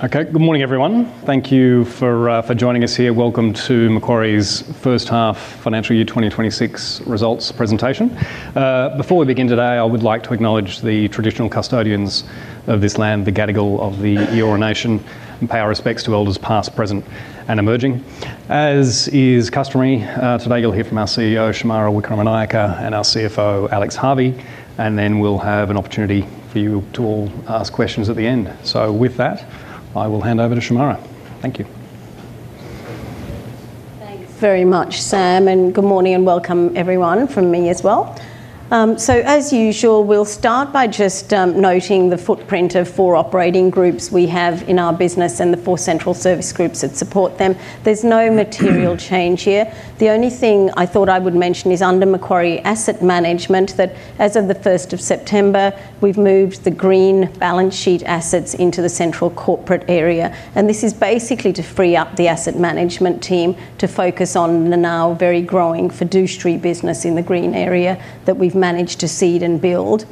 Okay, good morning, everyone. Thank you for joining us here. Welcome to Macquarie's first half financial year 2026 results presentation. Before we begin today, I would like to acknowledge the traditional custodians of this land, the Gadigal of the Eora Nation, and pay our respects to elders past, present, and emerging. As is customary, today you'll hear from our CEO, Shemara Wikramanayake, and our CFO, Alex Harvey, and then we'll have an opportunity for you to all ask questions at the end. With that, I will hand over to Shemara. Thank you. Thanks very much, Sam, and good morning and welcome, everyone, from me as well. As usual, we'll start by just noting the footprint of four operating groups we have in our business and the four central service groups that support them. There's no material change here. The only thing I thought I would mention is under Macquarie Asset Management that as of 1 September, we've moved the green balance sheet assets into the central corporate area. This is basically to free up the asset management team to focus on the now very growing fiduciary business in the green area that we've managed to seed and build.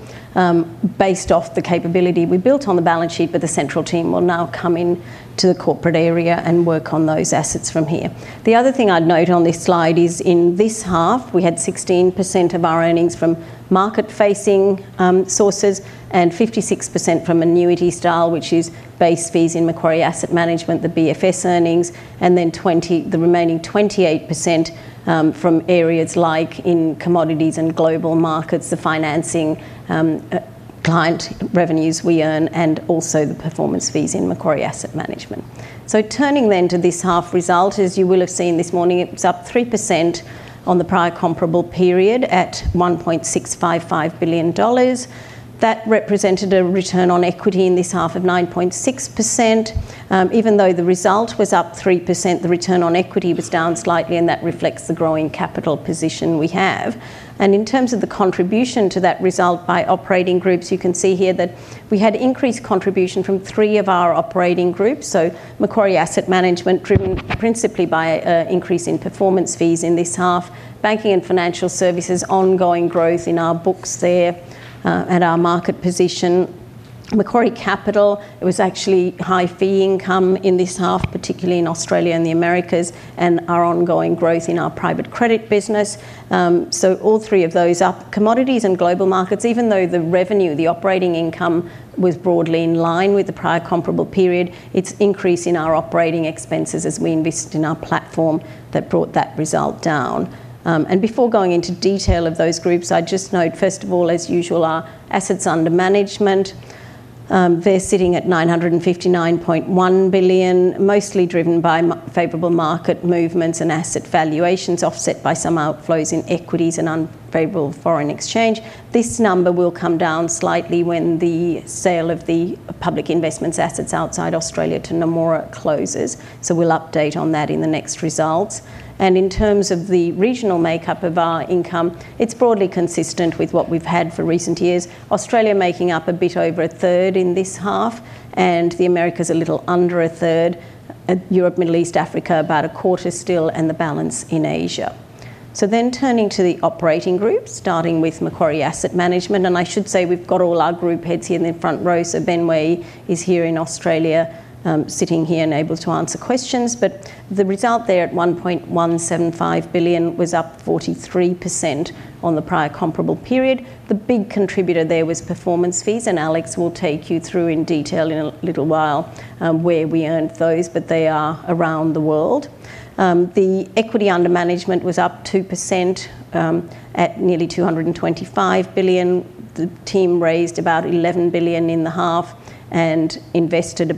Based off the capability we built on the balance sheet, but the central team will now come into the corporate area and work on those assets from here. The other thing I'd note on this slide is in this half, we had 16% of our earnings from market-facing sources and 56% from annuity style, which is base fees in Macquarie Asset Management, the BFS earnings, and then the remaining 28% from areas like in Commodities and Global Markets, the financing. Client revenues we earn, and also the performance fees in Macquarie Asset Management. Turning then to this half result, as you will have seen this morning, it's up 3% on the prior comparable period at 1.655 billion dollars. That represented a return on equity in this half of 9.6%. Even though the result was up 3%, the return on equity was down slightly, and that reflects the growing capital position we have. In terms of the contribution to that result by operating groups, you can see here that we had increased contribution from three of our operating groups. Macquarie Asset Management driven principally by an increase in performance fees in this half, Banking and Financial Services, ongoing growth in our books there at our market position. Macquarie Capital, it was actually high fee income in this half, particularly in Australia and the Americas, and our ongoing growth in our private credit business. All three of those up. Commodities and Global Markets, even though the revenue, the operating income was broadly in line with the prior comparable period, its increase in our operating expenses as we invested in our platform that brought that result down. Before going into detail of those groups, I just note, first of all, as usual, our assets under management. They're sitting at 959.1 billion, mostly driven by favorable market movements and asset valuations, offset by some outflows in equities and unfavorable foreign exchange. This number will come down slightly when the sale of the public investments assets outside Australia to Nomura closes. We'll update on that in the next results. In terms of the regional makeup of our income, it's broadly consistent with what we've had for recent years. Australia making up a bit over 1/3 in this half, and the Americas a little under 1/3. Europe, Middle East, Africa, about 1/4 still, and the balance in Asia. Turning to the operating groups, starting with Macquarie Asset Management, and I should say we've got all our group heads here in the front row. Ben Way is here in Australia, sitting here and able to answer questions. The result there at 1.175 billion was up 43% on the prior comparable period. The big contributor there was performance fees, and Alex will take you through in detail in a little while where we earned those, but they are around the world. The equity under management was up 2% at nearly 225 billion. The team raised about 11 billion in the half and invested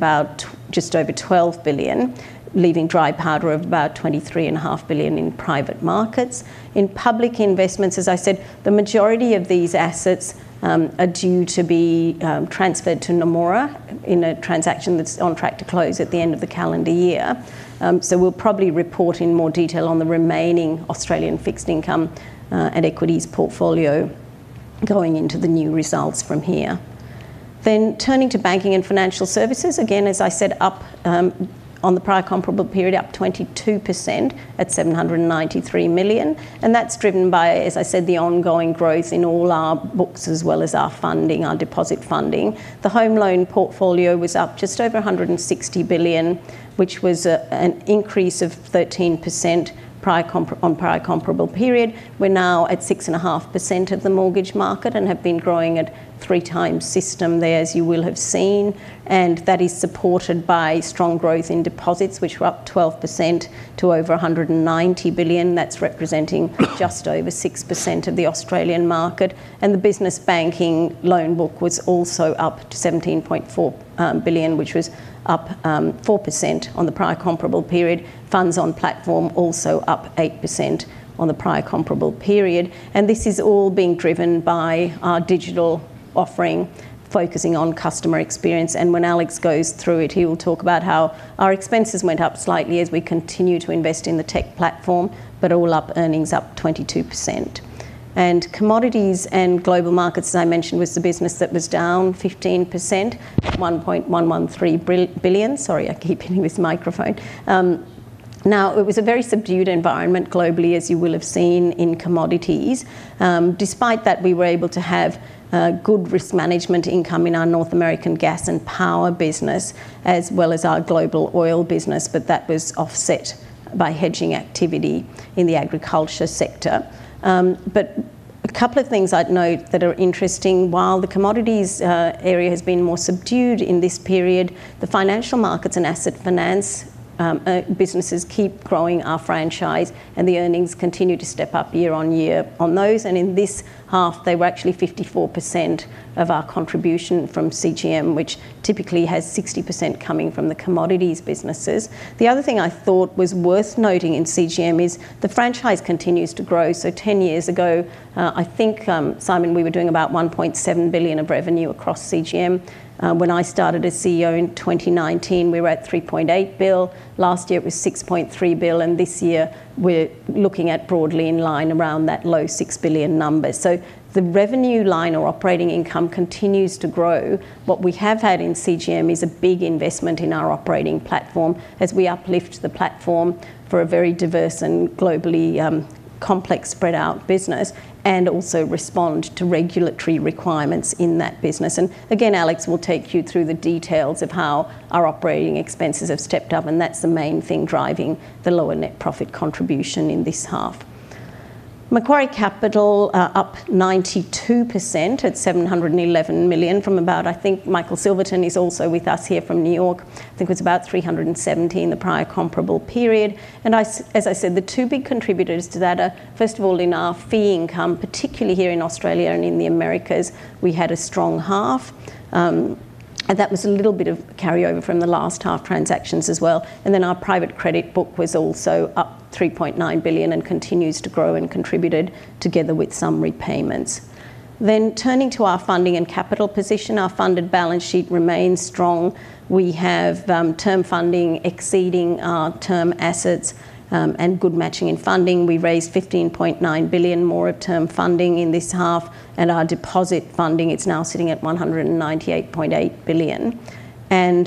just over 12 billion, leaving dry powder of about 23.5 billion in private markets. In public investments, as I said, the majority of these assets are due to be transferred to Nomura in a transaction that is on track to close at the end of the calendar year. We will probably report in more detail on the remaining Australian fixed income and equities portfolio going into the new results from here. Turning to Banking and Financial Services, again, as I said, up. On the prior comparable period, up 22% at 793 million. That is driven by, as I said, the ongoing growth in all our books as well as our funding, our deposit funding. The home loan portfolio was up just over 160 billion, which was an increase of 13% on prior comparable period. We are now at 6.5% of the mortgage market and have been growing at 3x system there, as you will have seen. That is supported by strong growth in deposits, which were up 12% to over 190 billion. That is representing just over 6% of the Australian market. The business banking loan book was also up to 17.4 billion, which was up 4% on the prior comparable period. Funds on platform also up 8% on the prior comparable period. This is all being driven by our digital offering, focusing on customer experience. When Alex goes through it, he will talk about how our expenses went up slightly as we continue to invest in the tech platform, but all up earnings up 22%. Commodities and Global Markets, as I mentioned, was the business that was down 15%, 1.113 billion. Sorry, I keep hitting this microphone. It was a very subdued environment globally, as you will have seen in commodities. Despite that, we were able to have good risk management income in our North American gas and power business, as well as our global oil business, but that was offset by hedging activity in the agriculture sector. A couple of things I'd note that are interesting. While the commodities area has been more subdued in this period, the financial markets and asset finance businesses keep growing our franchise, and the earnings continue to step up year on year on those. In this half, they were actually 54% of our contribution from CGM, which typically has 60% coming from the commodities businesses. The other thing I thought was worth noting in CGM is the franchise continues to grow. Ten years ago, I think, Simon, we were doing about 1.7 billion of revenue across CGM. When I started as CEO in 2019, we were at 3.8 billion. Last year, it was 6.3 billion, and this year we're looking at broadly in line around that low 6 billion number. The revenue line or operating income continues to grow. What we have had in CGM is a big investment in our operating platform as we uplift the platform for a very diverse and globally complex spread out business and also respond to regulatory requirements in that business. Again, Alex will take you through the details of how our operating expenses have stepped up, and that's the main thing driving the lower net profit contribution in this half. Macquarie Capital up 92% at 711 million from about, I think Michael Silverton is also with us here from New York. I think it was about 370 million in the prior comparable period. As I said, the two big contributors to that are, first of all, in our fee income, particularly here in Australia and in the Americas, we had a strong half. That was a little bit of carryover from the last half transactions as well. Our private credit book was also up 3.9 billion and continues to grow and contributed together with some repayments. Turning to our funding and capital position, our funded balance sheet remains strong. We have term funding exceeding our term assets and good matching in funding. We raised 15.9 billion more of term funding in this half, and our deposit funding, it's now sitting at 198.8 billion.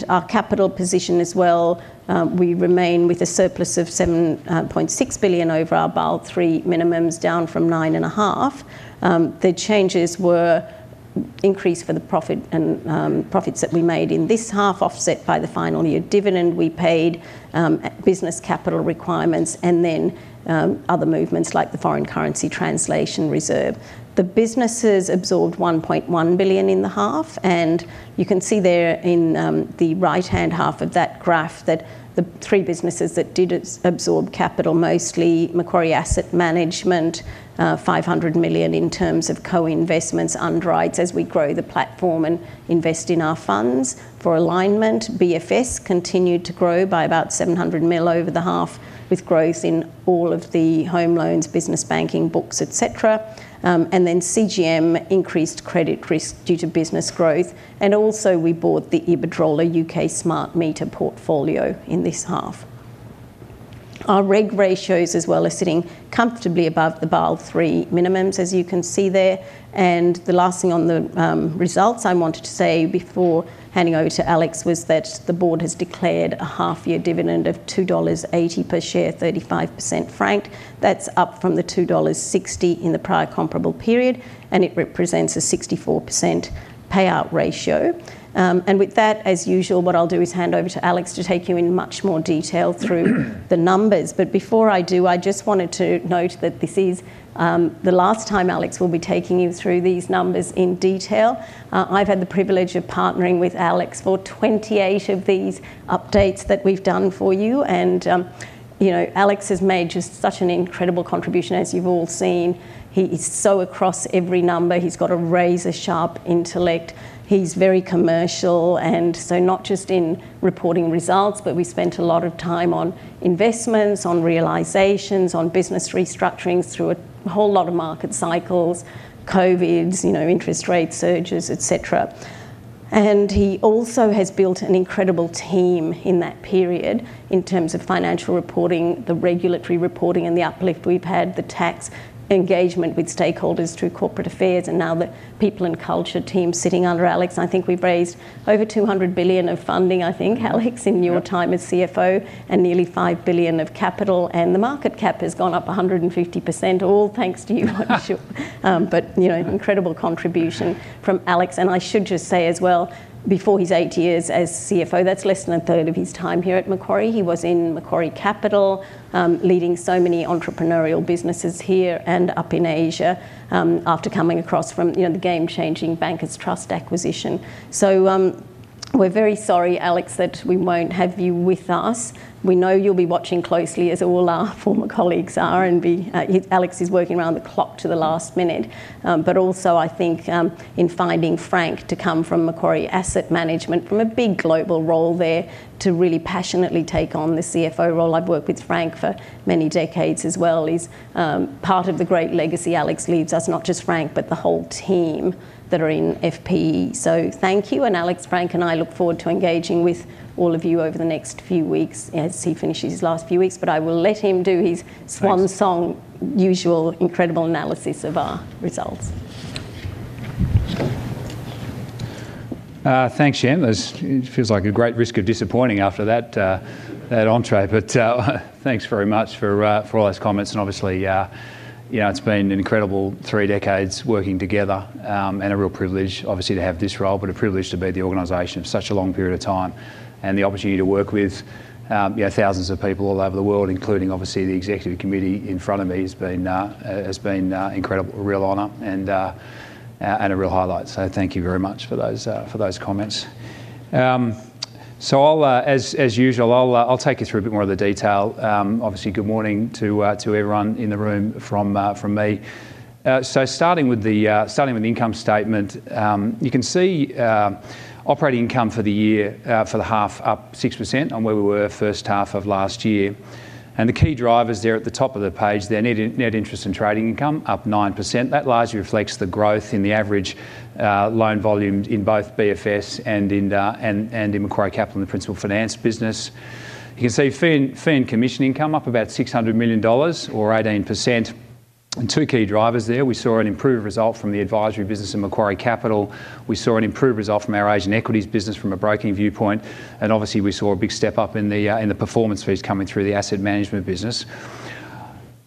Our capital position as well, we remain with a surplus of 7.6 billion over our Basel III minimums, down from 9.5 billion. The changes were increased for the profits that we made in this half, offset by the final year dividend we paid, business capital requirements, and then other movements like the foreign currency translation reserve. The businesses absorbed 1.1 billion in the half, and you can see there in the right-hand half of that graph that the three businesses that did absorb capital mostly, Macquarie Asset Management. 500 million in terms of co-investments, underwrites as we grow the platform and invest in our funds for alignment. BFS continued to grow by about 700 million over the half with growth in all of the home loans, business banking books, et cetera. CGM increased credit risk due to business growth. We also bought the Iberdrola UK Smart Meter portfolio in this half. Our reg ratios as well are sitting comfortably above the Basel III minimums, as you can see there. The last thing on the results I wanted to say before handing over to Alex was that the board has declared a half-year dividend of 2.80 dollars per share, 35% franked. That is up from the 2.60 dollars in the prior comparable period, and it represents a 64% payout ratio. With that, as usual, what I will do is hand over to Alex to take you in much more detail through the numbers. Before I do, I just wanted to note that this is the last time Alex will be taking you through these numbers in detail. I've had the privilege of partnering with Alex for 28 of these updates that we've done for you. Alex has made just such an incredible contribution, as you've all seen. He's so across every number. He's got a razor-sharp intellect. He's very commercial, and so not just in reporting results, but we spent a lot of time on investments, on realizations, on business restructuring through a whole lot of market cycles, COVIDs, interest rate surges, et cetera. He also has built an incredible team in that period in terms of financial reporting, the regulatory reporting, and the uplift we've had, the tax engagement with stakeholders through corporate affairs, and now the people and culture team sitting under Alex. I think we've raised over 200 billion of funding, I think, Alex, in your time as CFO, and nearly 5 billion of capital. The market cap has gone up 150%, all thanks to you, I'm sure. Incredible contribution from Alex. I should just say as well, before his eight years as CFO, that's less than a third of his time here at Macquarie. He was in Macquarie Capital, leading so many entrepreneurial businesses here and up in Asia after coming across from the game-changing Bankers Trust acquisition. We are very sorry, Alex, that we won't have you with us. We know you'll be watching closely as all our former colleagues are, and Alex is working around the clock to the last minute. Also, I think in finding Frank to come from Macquarie Asset Management, from a big global role there to really passionately take on the CFO role. I have worked with Frank for many decades as well. He is part of the great legacy Alex leaves us, not just Frank, but the whole team that are in FPE. Thank you. Alex, Frank, and I look forward to engaging with all of you over the next few weeks as he finishes his last few weeks. I will let him do his swan song usual incredible analysis of our results. Thanks, Jen. It feels like a great risk of disappointing after that. Entré. Thanks very much for all those comments. Obviously. It's been an incredible three decades working together and a real privilege, obviously, to have this role, but a privilege to be at the organization for such a long period of time and the opportunity to work with thousands of people all over the world, including obviously the executive committee in front of me, has been incredible, a real honor, and a real highlight. Thank you very much for those comments. As usual, I'll take you through a bit more of the detail. Obviously, good morning to everyone in the room from me. Starting with the income statement, you can see operating income for the year for the half up 6% on where we were first half of last year. The key drivers there at the top of the page, their net interest and trading income up 9%. That largely reflects the growth in the average loan volume in both BFS and in Macquarie Capital and the principal finance business. You can see fee and commission income up about 600 million dollars or 18%. Two key drivers there. We saw an improved result from the advisory business in Macquarie Capital. We saw an improved result from our Asian equities business from a broking viewpoint. Obviously, we saw a big step up in the performance fees coming through the asset management business.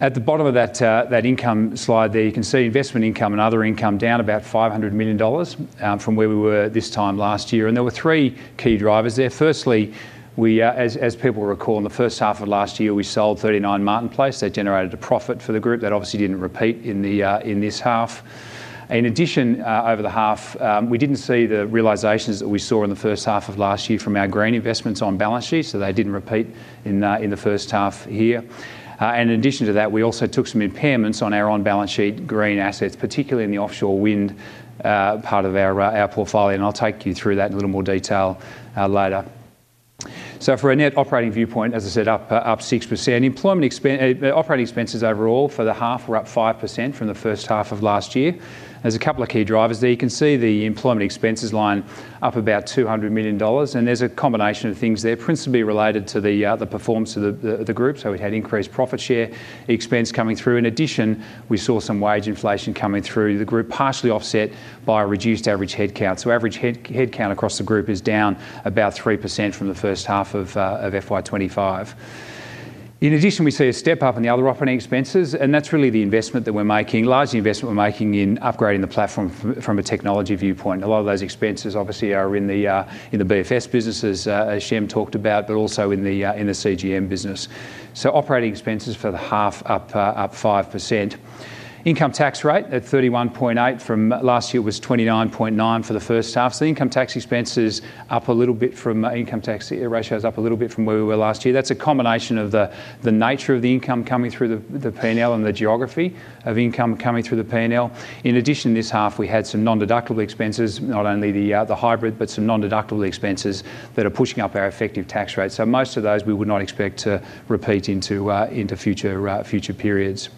At the bottom of that income slide there, you can see investment income and other income down about 500 million dollars from where we were this time last year. There were three key drivers there. Firstly, as people recall, in the first half of last year, we sold 39 Martin Place. That generated a profit for the group that obviously did not repeat in this half. In addition, over the half, we did not see the realizations that we saw in the first half of last year from our green investments on balance sheets. They did not repeat in the first half here. In addition to that, we also took some impairments on our on-balance sheet green assets, particularly in the offshore wind part of our portfolio. I will take you through that in a little more detail later. From a net operating viewpoint, as I said, up 6%. Operating expenses overall for the half were up 5% from the first half of last year. There are a couple of key drivers there. You can see the employment expenses line up about 200 million dollars. There is a combination of things there, principally related to the performance of the group. We had increased profit share expense coming through. In addition, we saw some wage inflation coming through the group, partially offset by a reduced average headcount. Average headcount across the group is down about 3% from the first half of 2025. In addition, we see a step up in the other operating expenses. That is really the investment that we are making, largely investment we are making in upgrading the platform from a technology viewpoint. A lot of those expenses obviously are in the BFS businesses, as Shemara talked about, but also in the CGM business. Operating expenses for the half are up 5%. Income tax rate at 31.8% from last year was 29.9% for the first half. Income tax expenses are up a little bit, income tax ratios are up a little bit from where we were last year. That's a combination of the nature of the income coming through the P&L and the geography of income coming through the P&L. In addition, this half, we had some non-deductible expenses, not only the hybrid, but some non-deductible expenses that are pushing up our effective tax rate. Most of those we would not expect to repeat into future periods.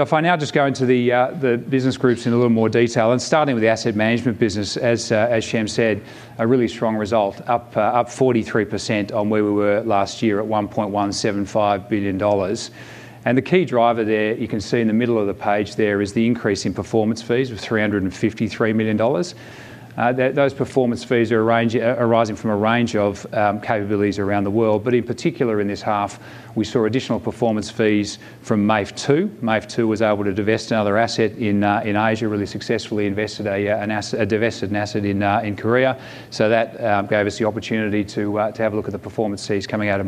If I now just go into the business groups in a little more detail, and starting with the asset management business, as Shem said, a really strong result, up 43% on where we were last year at 1.175 billion dollars. The key driver there, you can see in the middle of the page there is the increase in performance fees of 353 million dollars. Those performance fees are arising from a range of capabilities around the world. In particular, in this half, we saw additional performance fees from MAV2. MAV2 was able to divest another asset in Asia, really successfully divested an asset in Korea. That gave us the opportunity to have a look at the performance fees coming out of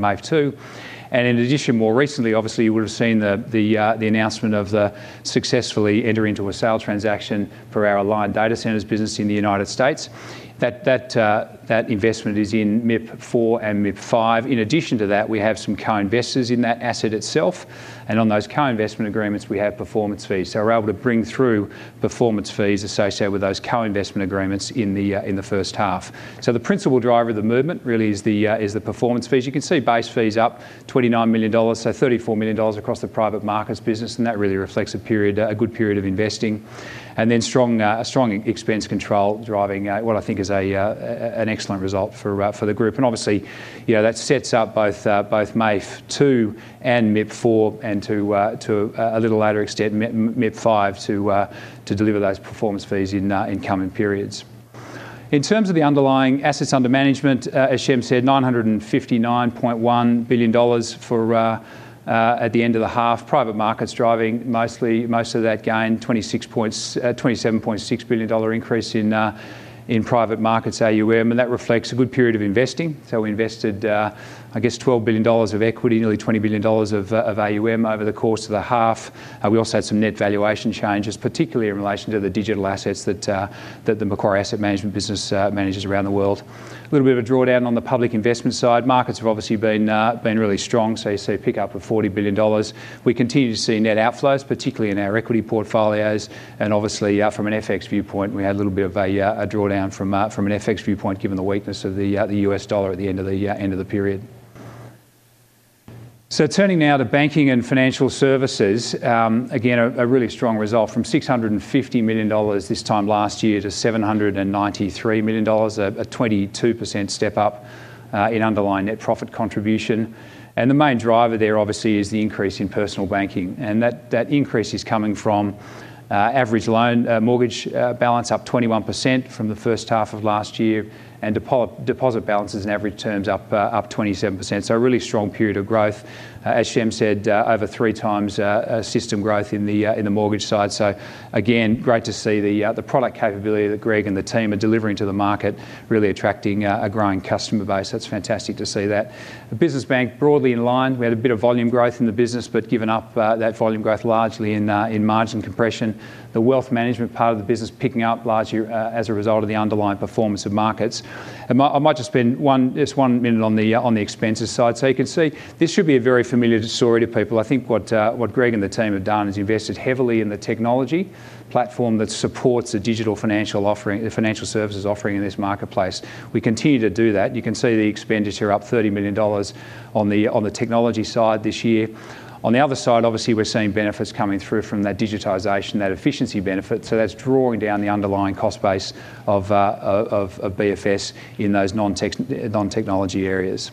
MAV2. In addition, more recently, obviously, you would have seen the announcement of the successfully entering into a sale transaction for our Allied Data Centers business in the United States. That investment is in MIP4 and MIP5. In addition to that, we have some co-investors in that asset itself. On those co-investment agreements, we have performance fees. We are able to bring through performance fees associated with those co-investment agreements in the first half. The principal driver of the movement really is the performance fees. You can see base fees up 29 million dollars, so 34 million dollars across the private markets business. That really reflects a good period of investing. Strong expense control is driving what I think is an excellent result for the group. Obviously, that sets up both MAV2 and MIP4 and, to a little later extent, MIP5 to deliver those performance fees in coming periods. In terms of the underlying assets under management, as Shem said, 959.1 billion dollars at the end of the half, private markets driving most of that gain, 27.6 billion dollar increase in private markets AUM. That reflects a good period of investing. We invested, I guess, 12 billion dollars of equity, nearly 20 billion dollars of AUM over the course of the half. We also had some net valuation changes, particularly in relation to the digital assets that the Macquarie Asset Management business manages around the world. A little bit of a drawdown on the public investment side. Markets have obviously been really strong. You see a pickup of 40 billion dollars. We continue to see net outflows, particularly in our equity portfolios. Obviously, from an FX viewpoint, we had a little bit of a drawdown from an FX viewpoint given the weakness of the US dollar at the end of the period. Turning now to Banking and Financial Services, again, a really strong result from 650 million dollars this time last year to 793 million dollars, a 22% step up in underlying net profit contribution. The main driver there, obviously, is the increase in personal banking. That increase is coming from average loan mortgage balance up 21% from the first half of last year, and deposit balances and average terms up 27%. A really strong period of growth, as Shem said, over 3x system growth in the mortgage side. Again, great to see the product capability that Greg and the team are delivering to the market, really attracting a growing customer base. That's fantastic to see that. The business bank broadly in line. We had a bit of volume growth in the business, but given up that volume growth largely in margin compression. The wealth management part of the business picking up largely as a result of the underlying performance of markets. I might just spend just one minute on the expenses side. You can see this should be a very familiar story to people. I think what Greg and the team have done is invested heavily in the technology platform that supports the digital financial services offering in this marketplace. We continue to do that. You can see the expenditure up 30 million dollars on the technology side this year. On the other side, obviously, we're seeing benefits coming through from that digitization, that efficiency benefit. So that's drawing down the underlying cost base of BFS in those non-technology areas.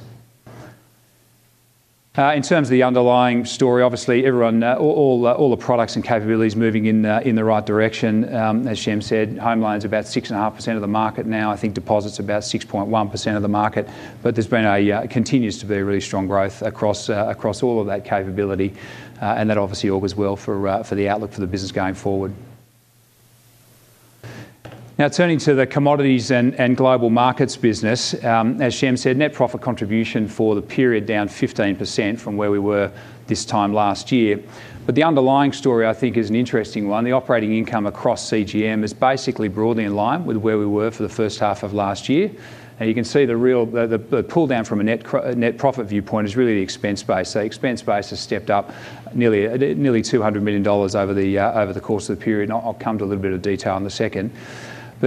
In terms of the underlying story, obviously, all the products and capabilities moving in the right direction. As Shem said, home loans are about 6.5% of the market now. I think deposits are about 6.1% of the market. There continues to be a really strong growth across all of that capability. That obviously augurs well for the outlook for the business going forward. Now turning to the Commodities and Global Markets business, as Shem said, net profit contribution for the period down 15% from where we were this time last year. The underlying story, I think, is an interesting one. The operating income across CGM is basically broadly in line with where we were for the first half of last year. You can see the pull down from a net profit viewpoint is really the expense base. Expense base has stepped up nearly 200 million dollars over the course of the period. I'll come to a little bit of detail in a second.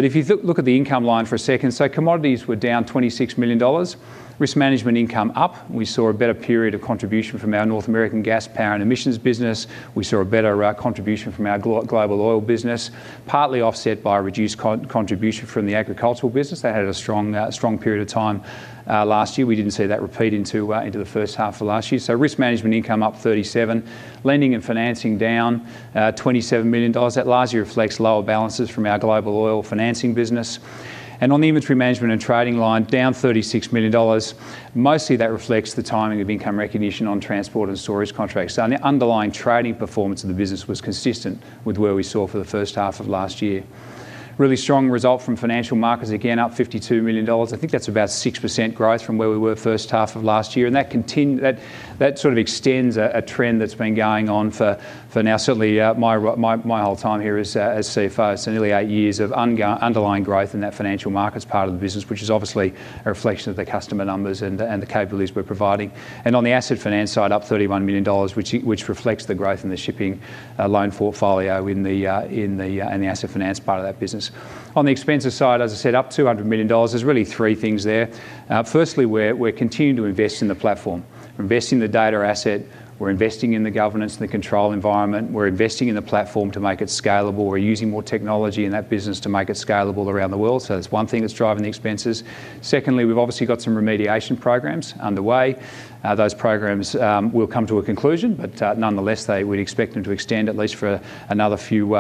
If you look at the income line for a second, commodities were down 26 million dollars. Risk management income up. We saw a better period of contribution from our North American gas power and emissions business. We saw a better contribution from our global oil business, partly offset by a reduced contribution from the agricultural business. They had a strong period of time last year. We did not see that repeat into the first half of last year. Risk management income up 37 million. Lending and financing down. 27 million dollars. That largely reflects lower balances from our global oil financing business. On the inventory management and trading line, down 36 million dollars. Mostly that reflects the timing of income recognition on transport and storage contracts. The underlying trading performance of the business was consistent with where we saw for the first half of last year. Really strong result from financial markets, again, up 52 million dollars. I think that's about 6% growth from where we were first half of last year. That sort of extends a trend that's been going on for now. Certainly, my whole time here as CFO, so nearly eight years of underlying growth in that financial markets part of the business, which is obviously a reflection of the customer numbers and the capabilities we're providing. On the asset finance side, up AUD 31 million, which reflects the growth in the shipping loan portfolio in the asset finance part of that business. On the expenses side, as I said, up 200 million dollars. There are really three things there. Firstly, we are continuing to invest in the platform. We are investing in the data asset. We are investing in the governance and the control environment. We are investing in the platform to make it scalable. We are using more technology in that business to make it scalable around the world. That is one thing that is driving the expenses. Secondly, we have obviously got some remediation programs underway. Those programs will come to a conclusion, but nonetheless, we would expect them to extend at least for another few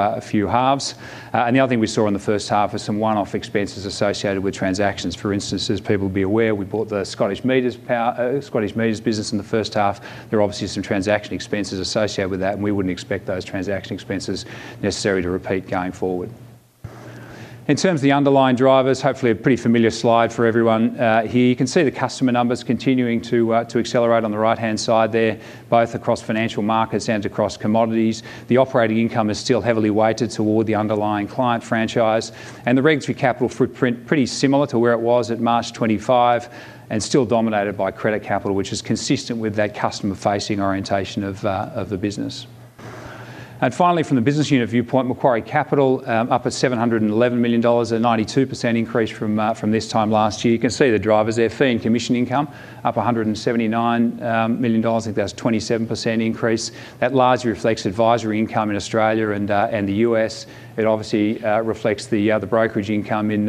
halves. The other thing we saw in the first half is some one-off expenses associated with transactions. For instance, as people be aware, we bought the Scottish Meters business in the first half. There are obviously some transaction expenses associated with that, and we would not expect those transaction expenses necessarily to repeat going forward. In terms of the underlying drivers, hopefully a pretty familiar slide for everyone here. You can see the customer numbers continuing to accelerate on the right-hand side there, both across financial markets and across commodities. The operating income is still heavily weighted toward the underlying client franchise. The regulatory capital footprint is pretty similar to where it was at March 25, and still dominated by credit capital, which is consistent with that customer-facing orientation of the business. Finally, from the business unit viewpoint, Macquarie Capital, up at 711 million dollars, a 92% increase from this time last year. You can see the drivers there. Fee and commission income, up 179 million dollars. I think that's a 27% increase. That largely reflects advisory income in Australia and the US. It obviously reflects the brokerage income in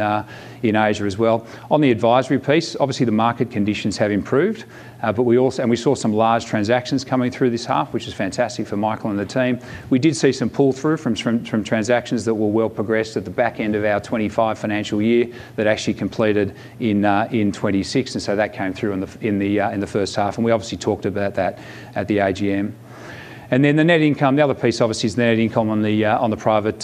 Asia as well. On the advisory piece, obviously, the market conditions have improved. We saw some large transactions coming through this half, which is fantastic for Michael and the team. We did see some pull-through from transactions that were well progressed at the back end of our 2025 financial year that actually completed in 2026. That came through in the first half. We obviously talked about that at the AGM. The net income, the other piece obviously is the net income on the private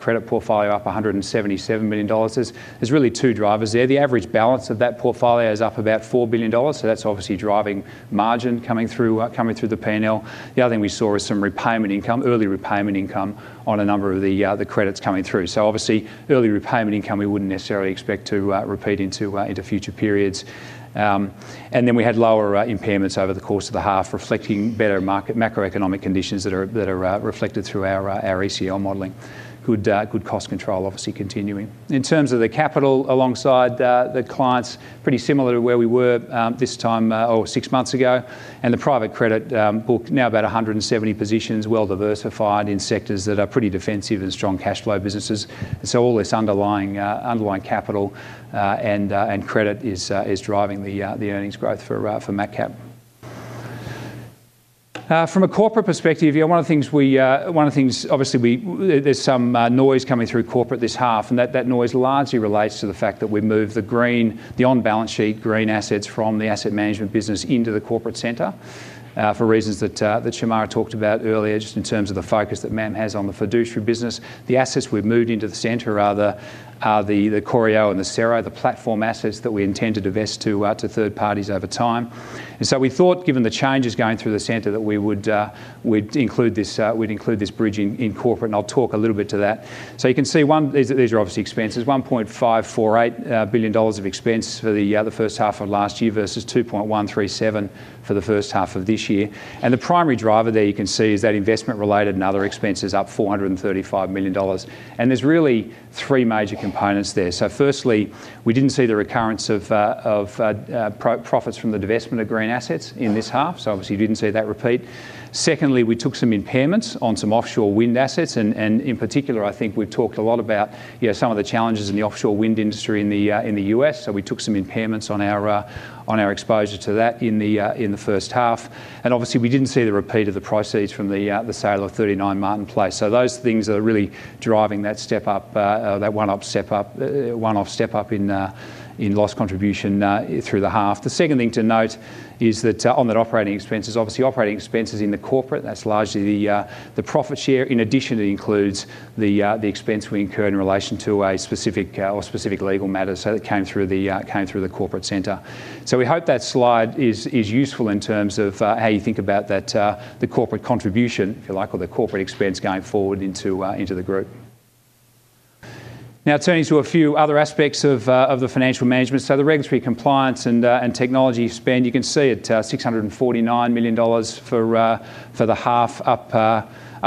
credit portfolio, up 177 million dollars. There are really two drivers there. The average balance of that portfolio is up about 4 billion dollars. That's obviously driving margin coming through the P&L. The other thing we saw is some early repayment income on a number of the credits coming through. Obviously, early repayment income, we would not necessarily expect to repeat into future periods. We had lower impairments over the course of the half, reflecting better macroeconomic conditions that are reflected through our ECL modeling. Good cost control, obviously, continuing. In terms of the capital alongside the clients, pretty similar to where we were this time or six months ago. The private credit book now about 170 positions, well diversified in sectors that are pretty defensive and strong cash flow businesses. All this underlying capital and credit is driving the earnings growth for MacCap. From a corporate perspective, one of the things, obviously, there is some noise coming through corporate this half. That noise largely relates to the fact that we moved the on-balance sheet green assets from the asset management business into the corporate center for reasons that Shemara talked about earlier, just in terms of the focus that MAM has on the fiduciary business. The assets we have moved into the center are the Corio and the Cero, the platform assets that we intend to divest to third parties over time. We thought, given the changes going through the center, that we would include this bridge in corporate. I'll talk a little bit to that. You can see these are obviously expenses. 1.548 billion dollars of expense for the first half of last year versus 2.137 billion for the first half of this year. The primary driver there you can see is that investment-related and other expenses are up 435 million dollars. There are really three major components there. Firstly, we did not see the recurrence of profits from the divestment of green assets in this half. Obviously, you did not see that repeat. Secondly, we took some impairments on some offshore wind assets. In particular, I think we have talked a lot about some of the challenges in the offshore wind industry in the U.S. We took some impairments on our exposure to that in the first half. Obviously, we did not see the repeat of the proceeds from the sale of 39 Martin Place. Those things are really driving that one-off step up in loss contribution through the half. The second thing to note is that on the operating expenses, operating expenses in the corporate, that is largely the profit share. In addition, it includes the expense we incurred in relation to a specific legal matter that came through the corporate center. We hope that slide is useful in terms of how you think about the corporate contribution, if you like, or the corporate expense going forward into the group. Now turning to a few other aspects of the financial management. The regulatory compliance and technology spend, you can see it's 649 million dollars for the half, up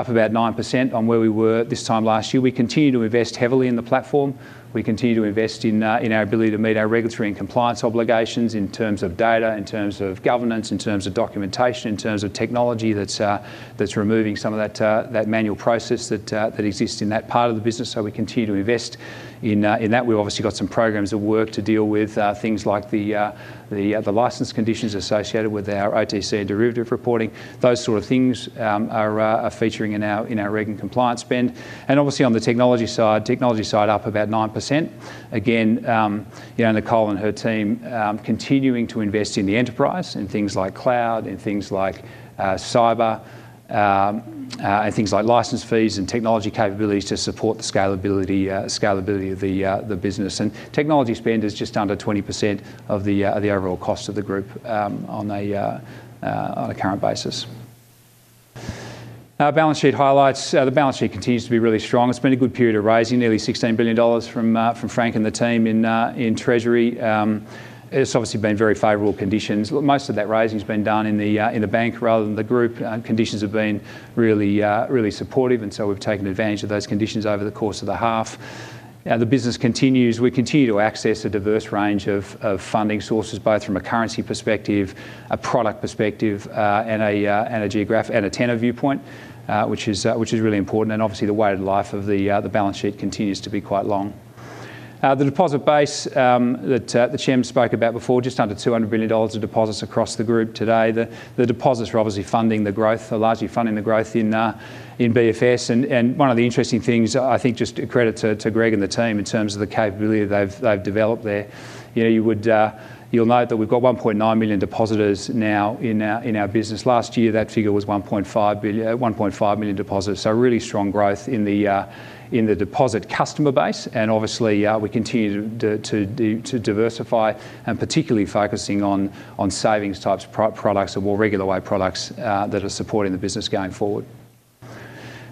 about 9% on where we were this time last year. We continue to invest heavily in the platform. We continue to invest in our ability to meet our regulatory and compliance obligations in terms of data, in terms of governance, in terms of documentation, in terms of technology that's removing some of that manual process that exists in that part of the business. We continue to invest in that. We've obviously got some programs that work to deal with things like the license conditions associated with our OTC and derivative reporting. Those sort of things are featuring in our reg and compliance spend. Obviously, on the technology side, technology side up about 9%. Again, Nicole and her team continuing to invest in the enterprise and things like cloud and things like cyber and things like license fees and technology capabilities to support the scalability of the business. Technology spend is just under 20% of the overall cost of the group on a current basis. Now, balance sheet highlights. The balance sheet continues to be really strong. It's been a good period of raising, nearly 16 billion dollars from Frank and the team in treasury. It's obviously been very favorable conditions. Most of that raising has been done in the bank rather than the group. Conditions have been really supportive, and so we've taken advantage of those conditions over the course of the half. The business continues. We continue to access a diverse range of funding sources, both from a currency perspective, a product perspective, and a geographic and a tenor viewpoint, which is really important. Obviously, the weighted life of the balance sheet continues to be quite long. The deposit base that Shem spoke about before, just under 200 million dollars of deposits across the group today. The deposits are obviously funding the growth, largely funding the growth in BFS. One of the interesting things, I think, just a credit to Greg and the team in terms of the capability they've developed there. You'll note that we've got 1.9 million depositors now in our business. Last year, that figure was 1.5 million depositors. Really strong growth in the deposit customer base. Obviously, we continue to. Diversify and particularly focusing on savings types of products or more regular way products that are supporting the business going forward.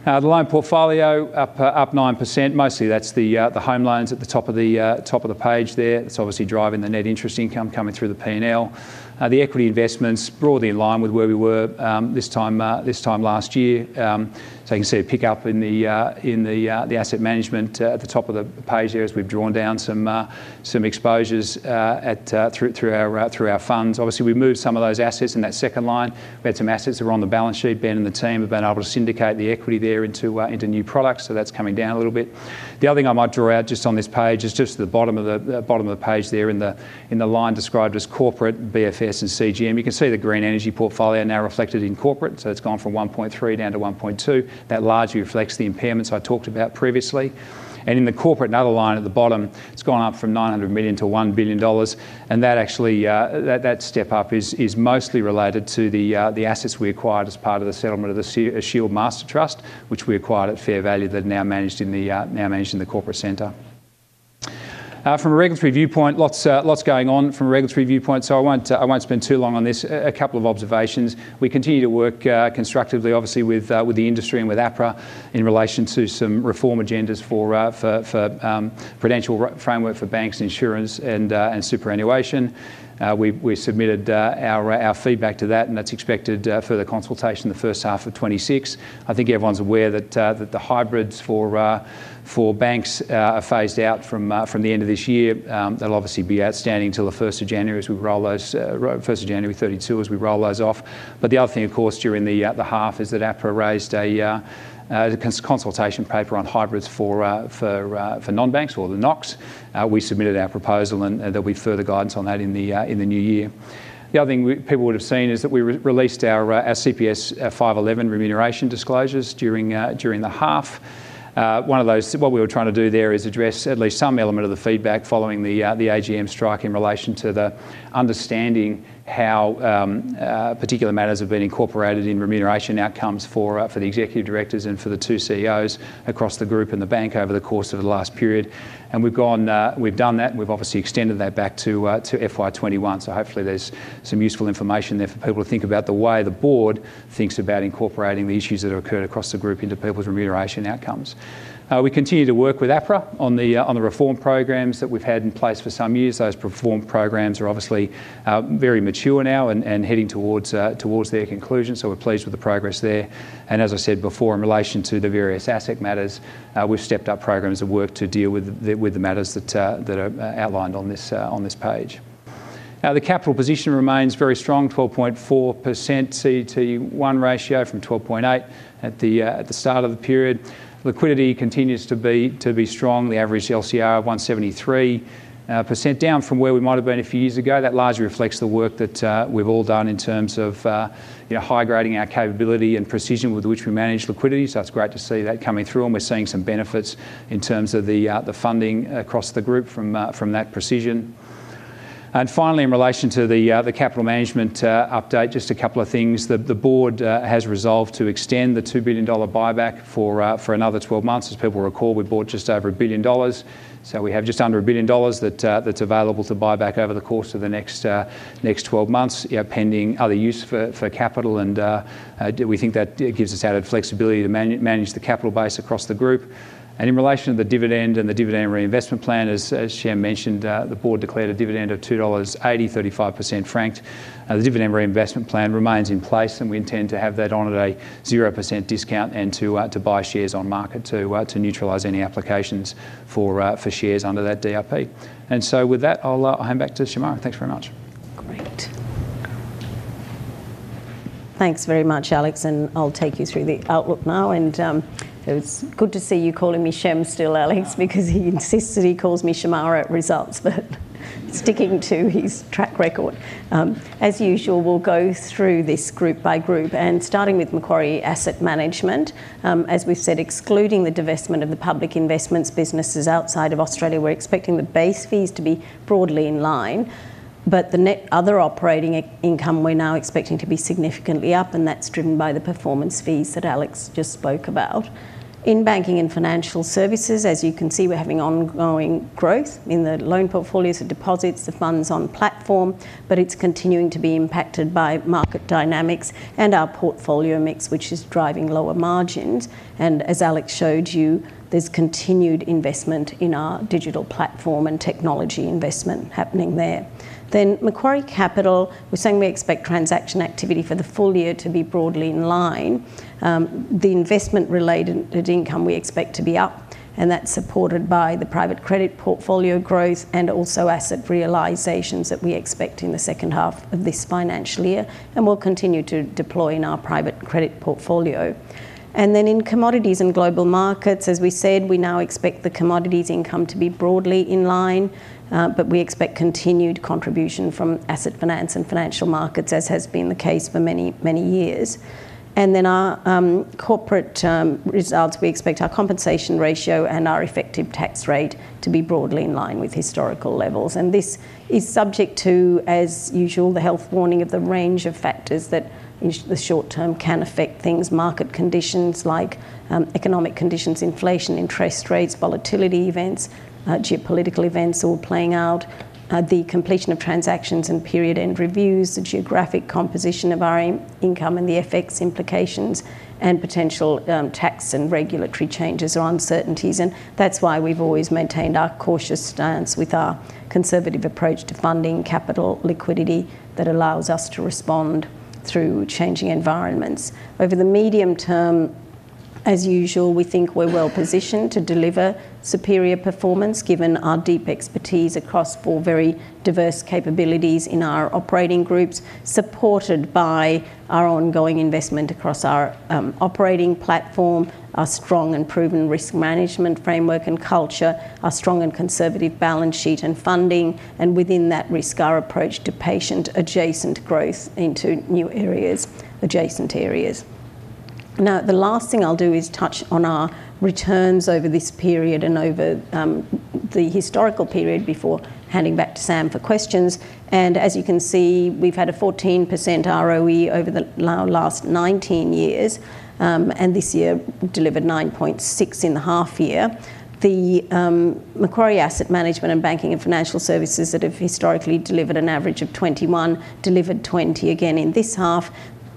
The loan portfolio, up 9%. Mostly that's the home loans at the top of the page there. That's obviously driving the net interest income coming through the P&L. The equity investments, broadly in line with where we were this time last year. You can see a pickup in the asset management at the top of the page there as we've drawn down some exposures through our funds. Obviously, we moved some of those assets in that second line. We had some assets that were on the balance sheet. Ben and the team have been able to syndicate the equity there into new products. That's coming down a little bit. The other thing I might draw out just on this page is just at the bottom of the page there in the line described as corporate, BFS, and CGM. You can see the green energy portfolio now reflected in corporate. It has gone from 1.3 billion down to 1.2 billion. That largely reflects the impairments I talked about previously. In the corporate, another line at the bottom, it has gone up from 900 million to 1 billion dollars. That step up is mostly related to the assets we acquired as part of the settlement of the Shield Master Trust, which we acquired at fair value that are now managed in the corporate center. From a regulatory viewpoint, lots going on from a regulatory viewpoint. I will not spend too long on this. A couple of observations. We continue to work constructively, obviously, with the industry and with APRA in relation to some reform agendas for a financial framework for banks, insurance, and superannuation. We submitted our feedback to that, and that's expected for the consultation in the first half of 2026. I think everyone's aware that the hybrids for banks are phased out from the end of this year. They'll obviously be outstanding until the 1st of January as we roll those, 1st of January 2032 as we roll those off. The other thing, of course, during the half is that APRA raised a consultation paper on hybrids for non-banks or the NOCs. We submitted our proposal, and there'll be further guidance on that in the new year. The other thing people would have seen is that we released our CPS 511 remuneration disclosures during the half. One of those, what we were trying to do there is address at least some element of the feedback following the AGM strike in relation to the understanding how particular matters have been incorporated in remuneration outcomes for the executive directors and for the two CEOs across the group and the bank over the course of the last period. We have done that, and we have obviously extended that back to FY 2021. Hopefully, there is some useful information there for people to think about the way the board thinks about incorporating the issues that have occurred across the group into people's remuneration outcomes. We continue to work with APRA on the reform programs that we have had in place for some years. Those reform programs are obviously very mature now and heading towards their conclusion. We are pleased with the progress there. As I said before, in relation to the various asset matters, we've stepped up programs of work to deal with the matters that are outlined on this page. The capital position remains very strong, 12.4% CET1 ratio from 12.8% at the start of the period. Liquidity continues to be strong. The average LCR of 173% is down from where we might have been a few years ago. That largely reflects the work that we've all done in terms of high-grading our capability and precision with which we manage liquidity. It's great to see that coming through. We're seeing some benefits in terms of the funding across the group from that precision. Finally, in relation to the capital management update, just a couple of things. The board has resolved to extend the 2 billion dollar buyback for another 12 months. As people recall, we bought just over 1 billion dollars. We have just under 1 billion dollars that's available to buy back over the course of the next 12 months, pending other use for capital. We think that gives us added flexibility to manage the capital base across the group. In relation to the dividend and the dividend reinvestment plan, as Shem mentioned, the board declared a dividend of 2.80 dollars, 35% franked. The dividend reinvestment plan remains in place, and we intend to have that on at a 0% discount and to buy shares on market to neutralize any applications for shares under that DRP. With that, I'll hand back to Shemara. Thanks very much. Great. Thanks very much, Alex. I'll take you through the outlook now. It was good to see you calling me Shem still, Alex, because he insists that he calls me Shemara at results, but sticking to his track record. As usual, we will go through this group by group. Starting with Macquarie Asset Management, as we have said, excluding the divestment of the public investments businesses outside of Australia, we are expecting the base fees to be broadly in line. The net other operating income we are now expecting to be significantly up, and that is driven by the performance fees that Alex just spoke about. In Banking and Financial Services, as you can see, we are having ongoing growth in the loan portfolios and deposits, the funds on platform, but it is continuing to be impacted by market dynamics and our portfolio mix, which is driving lower margins. As Alex showed you, there is continued investment in our digital platform and technology investment happening there. Macquarie Capital, we're saying we expect transaction activity for the full year to be broadly in line. The investment-related income we expect to be up, and that's supported by the private credit portfolio growth and also asset realizations that we expect in the second half of this financial year. We'll continue to deploy in our private credit portfolio. In commodities and global markets, as we said, we now expect the commodities income to be broadly in line, but we expect continued contribution from asset finance and financial markets, as has been the case for many years. Our corporate results, we expect our compensation ratio and our effective tax rate to be broadly in line with historical levels. This is subject to, as usual, the health warning of the range of factors that in the short term can affect things, market conditions like economic conditions, inflation, interest rates, volatility events, geopolitical events all playing out, the completion of transactions and period-end reviews, the geographic composition of our income and the FX implications, and potential tax and regulatory changes or uncertainties. That is why we have always maintained our cautious stance with our conservative approach to funding, capital, liquidity that allows us to respond through changing environments. Over the medium term, as usual, we think we are well positioned to deliver superior performance given our deep expertise across four very diverse capabilities in our operating groups, supported by our ongoing investment across our operating platform, our strong and proven risk management framework and culture, our strong and conservative balance sheet and funding. Within that risk, our approach to patient-adjacent growth into new areas, adjacent areas. The last thing I'll do is touch on our returns over this period and over the historical period before handing back to Sam for questions. As you can see, we've had a 14% ROE over the last 19 years, and this year delivered 9.6% in the half year. Macquarie Asset Management and Banking and Financial Services that have historically delivered an average of 21%, delivered 20% again in this half.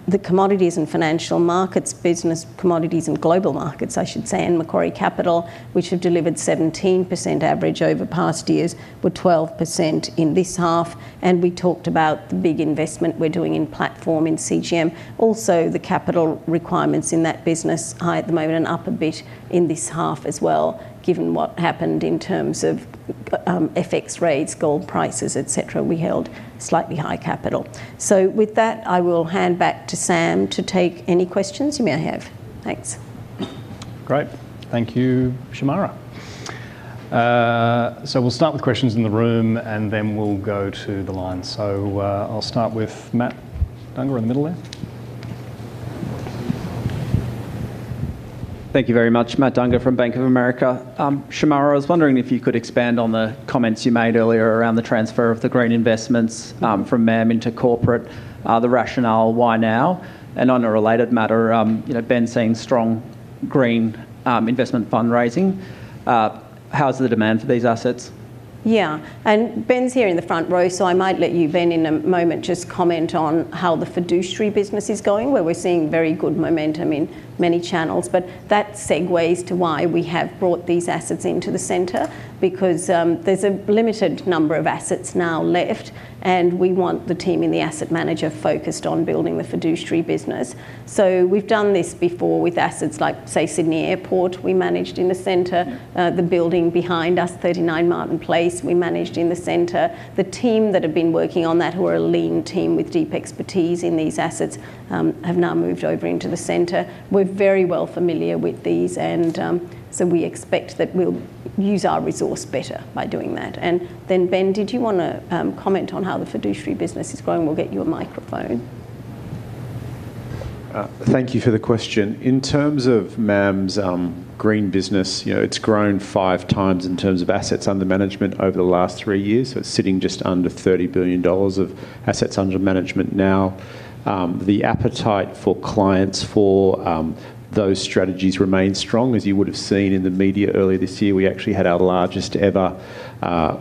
The Commodities and Global Markets business, I should say, and Macquarie Capital, which have delivered 17% average over past years, were 12% in this half. We talked about the big investment we're doing in platform in CGM. Also, the capital requirements in that business high at the moment and up a bit in this half as well, given what happened in terms of FX rates, gold prices, etc. We held slightly high capital. With that, I will hand back to Sam to take any questions you may have. Thanks. Great. Thank you, Shemara. We'll start with questions in the room, and then we'll go to the line. I'll start with Matt Dunger in the middle there. Thank you very much, Matt Dunger from Bank of America. Shemara, I was wondering if you could expand on the comments you made earlier around the transfer of the green investments from MEM into corporate, the rationale, why now? On a related matter, Ben's saying strong green investment fundraising. How's the demand for these assets? Yeah. Ben's here in the front row, so I might let you, Ben, in a moment just comment on how the fiduciary business is going, where we're seeing very good momentum in many channels. That segues to why we have brought these assets into the center, because there's a limited number of assets now left, and we want the team in the asset manager focused on building the fiduciary business. We've done this before with assets like, say, Sydney Airport. We managed in the center. The building behind us, 39 Martin Place, we managed in the center. The team that have been working on that, who are a lean team with deep expertise in these assets, have now moved over into the center. We're very well familiar with these, and we expect that we'll use our resource better by doing that. And then, Ben, did you want to comment on how the fiduciary business is growing? We'll get you a microphone. Thank you for the question. In terms of MAM's green business, it has grown 5x in terms of assets under management over the last three years. It is sitting just under AUD 30 billion of assets under management now. The appetite for clients for those strategies remains strong, as you would have seen in the media earlier this year. We actually had our largest ever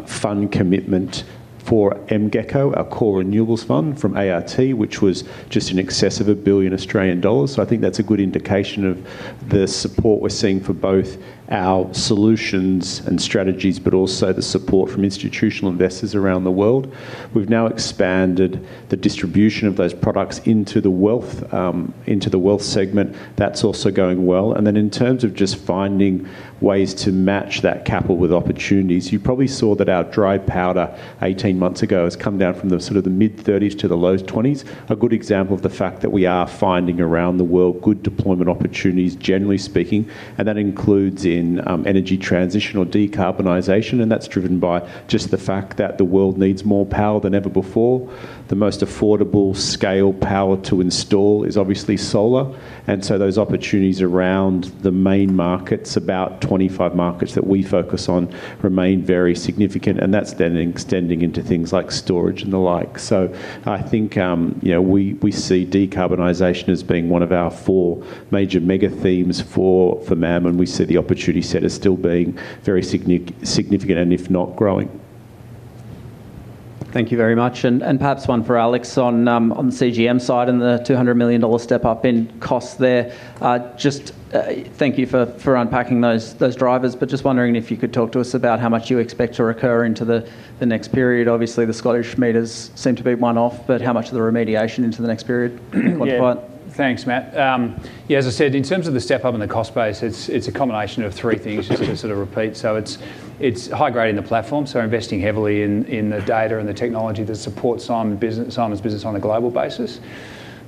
fund commitment for MGECO, our core renewables fund from ART, which was just in excess of 1 billion Australian dollars. I think that is a good indication of the support we are seeing for both our solutions and strategies, but also the support from institutional investors around the world. We have now expanded the distribution of those products into the wealth segment. That is also going well. In terms of just finding ways to match that capital with opportunities, you probably saw that our dry powder 18 months ago has come down from the sort of the mid-30s to the low 20s. A good example of the fact that we are finding around the world good deployment opportunities, generally speaking, and that includes in energy transition or decarbonization. That is driven by just the fact that the world needs more power than ever before. The most affordable scale power to install is obviously solar. Those opportunities around the main markets, about 25 markets that we focus on, remain very significant. That is then extending into things like storage and the like. I think we see decarbonization as being one of our four major mega themes for MEM, and we see the opportunity set as still being very significant and, if not, growing. Thank you very much. Perhaps one for Alex on the CGM side and the 200 million dollar step-up in costs there. Thank you for unpacking those drivers, but just wondering if you could talk to us about how much you expect to recur into the next period. Obviously, the Scottish meters seem to be one-off, but how much of the remediation into the next period? Quantify it. Yeah. Thanks, Matt. Yeah, as I said, in terms of the step-up in the cost base, it's a combination of three things, just to sort of repeat. It is high-grading the platform, investing heavily in the data and the technology that supports Simon's business on a global basis.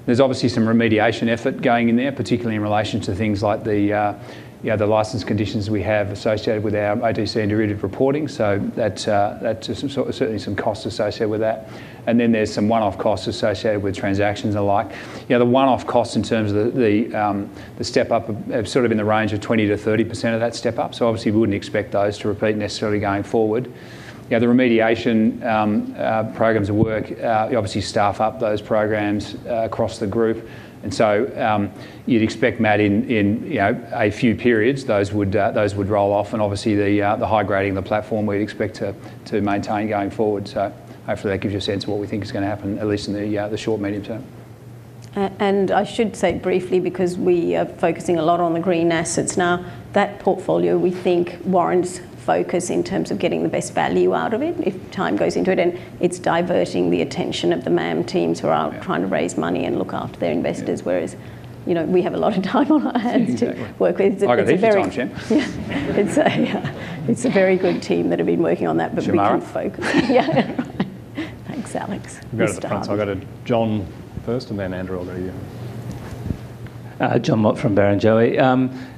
There is obviously some remediation effort going in there, particularly in relation to things like the license conditions we have associated with our ODC and derivative reporting. That is certainly some costs associated with that. Then there are some one-off costs associated with transactions and the like. The one-off costs in terms of the step-up are sort of in the range of 20%-30% of that step-up. Obviously, we would not expect those to repeat necessarily going forward. The remediation programs of work, obviously, staff up those programs across the group. You would expect, Matt, in a few periods, those would roll off. Obviously, the high-grading of the platform, we would expect to maintain going forward. Hopefully, that gives you a sense of what we think is going to happen, at least in the short-medium term. I should say briefly, because we are focusing a lot on the green assets now, that portfolio, we think, warrants focus in terms of getting the best value out of it if time goes into it. It's diverting the attention of the MEM teams who are trying to raise money and look after their investors, whereas we have a lot of time on our hands to work with. It's a very good team. It's a very good team that have been working on that, but we can't focus. Yeah. Thanks, Alex. Good stuff. Thanks. I've got a John first, and then Andrew, I'll go to you. John Mott from Barrenjoey.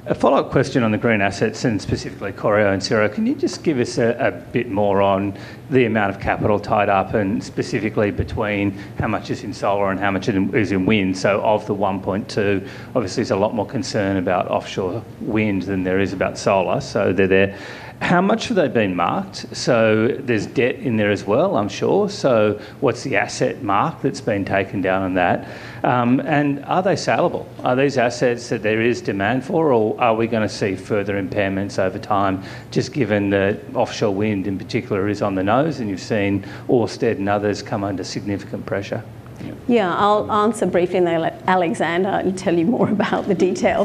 A follow-up question on the green assets, and specifically Corio and Cero. Can you just give us a bit more on the amount of capital tied up, and specifically between how much is in solar and how much is in wind? Of the 1.2, obviously, there's a lot more concern about offshore wind than there is about solar. They're there. How much have they been marked? There is debt in there as well, I'm sure. What's the asset mark that's been taken down on that? Are they saleable? Are these assets that there is demand for, or are we going to see further impairments over time, just given that offshore wind in particular is on the nose and you've seen Orsted and others come under significant pressure? Yeah. I'll answer briefly, Alexander. I'll tell you more about the detail.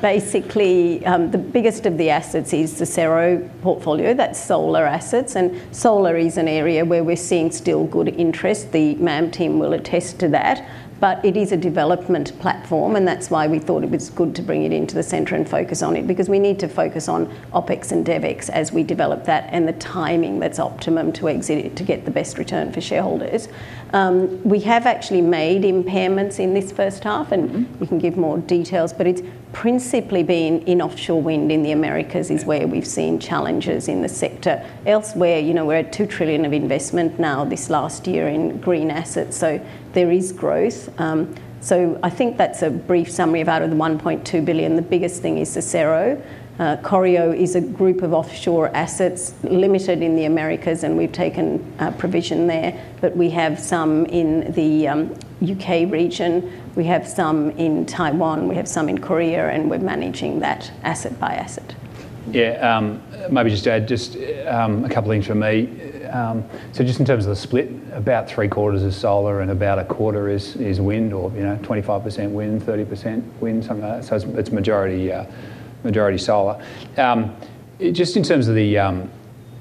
Basically, the biggest of the assets is the Cero portfolio. That's solar assets. Solar is an area where we're seeing still good interest. The MEM team will attest to that. It is a development platform, and that's why we thought it was good to bring it into the center and focus on it, because we need to focus on OpEx and DevEx as we develop that and the timing that's optimum to exit it to get the best return for shareholders. We have actually made impairments in this first half, and we can give more details, but it's principally been in offshore wind in the Americas is where we've seen challenges in the sector. Elsewhere, we're at 2 trillion of investment now this last year in green assets. There is growth. I think that's a brief summary of out of the 1.2 billion. The biggest thing is the Cero Corio is a group of offshore assets limited in the Americas, and we've taken provision there. We have some in the U.K. region. We have some in Taiwan. We have some in Korea, and we're managing that asset by asset. Yeah. Maybe just to add just a couple of things from me. Just in terms of the split, about three-quarters is solar and about a quarter is wind, or 25% wind, 30% wind, something like that. It is majority solar. Just in terms of the,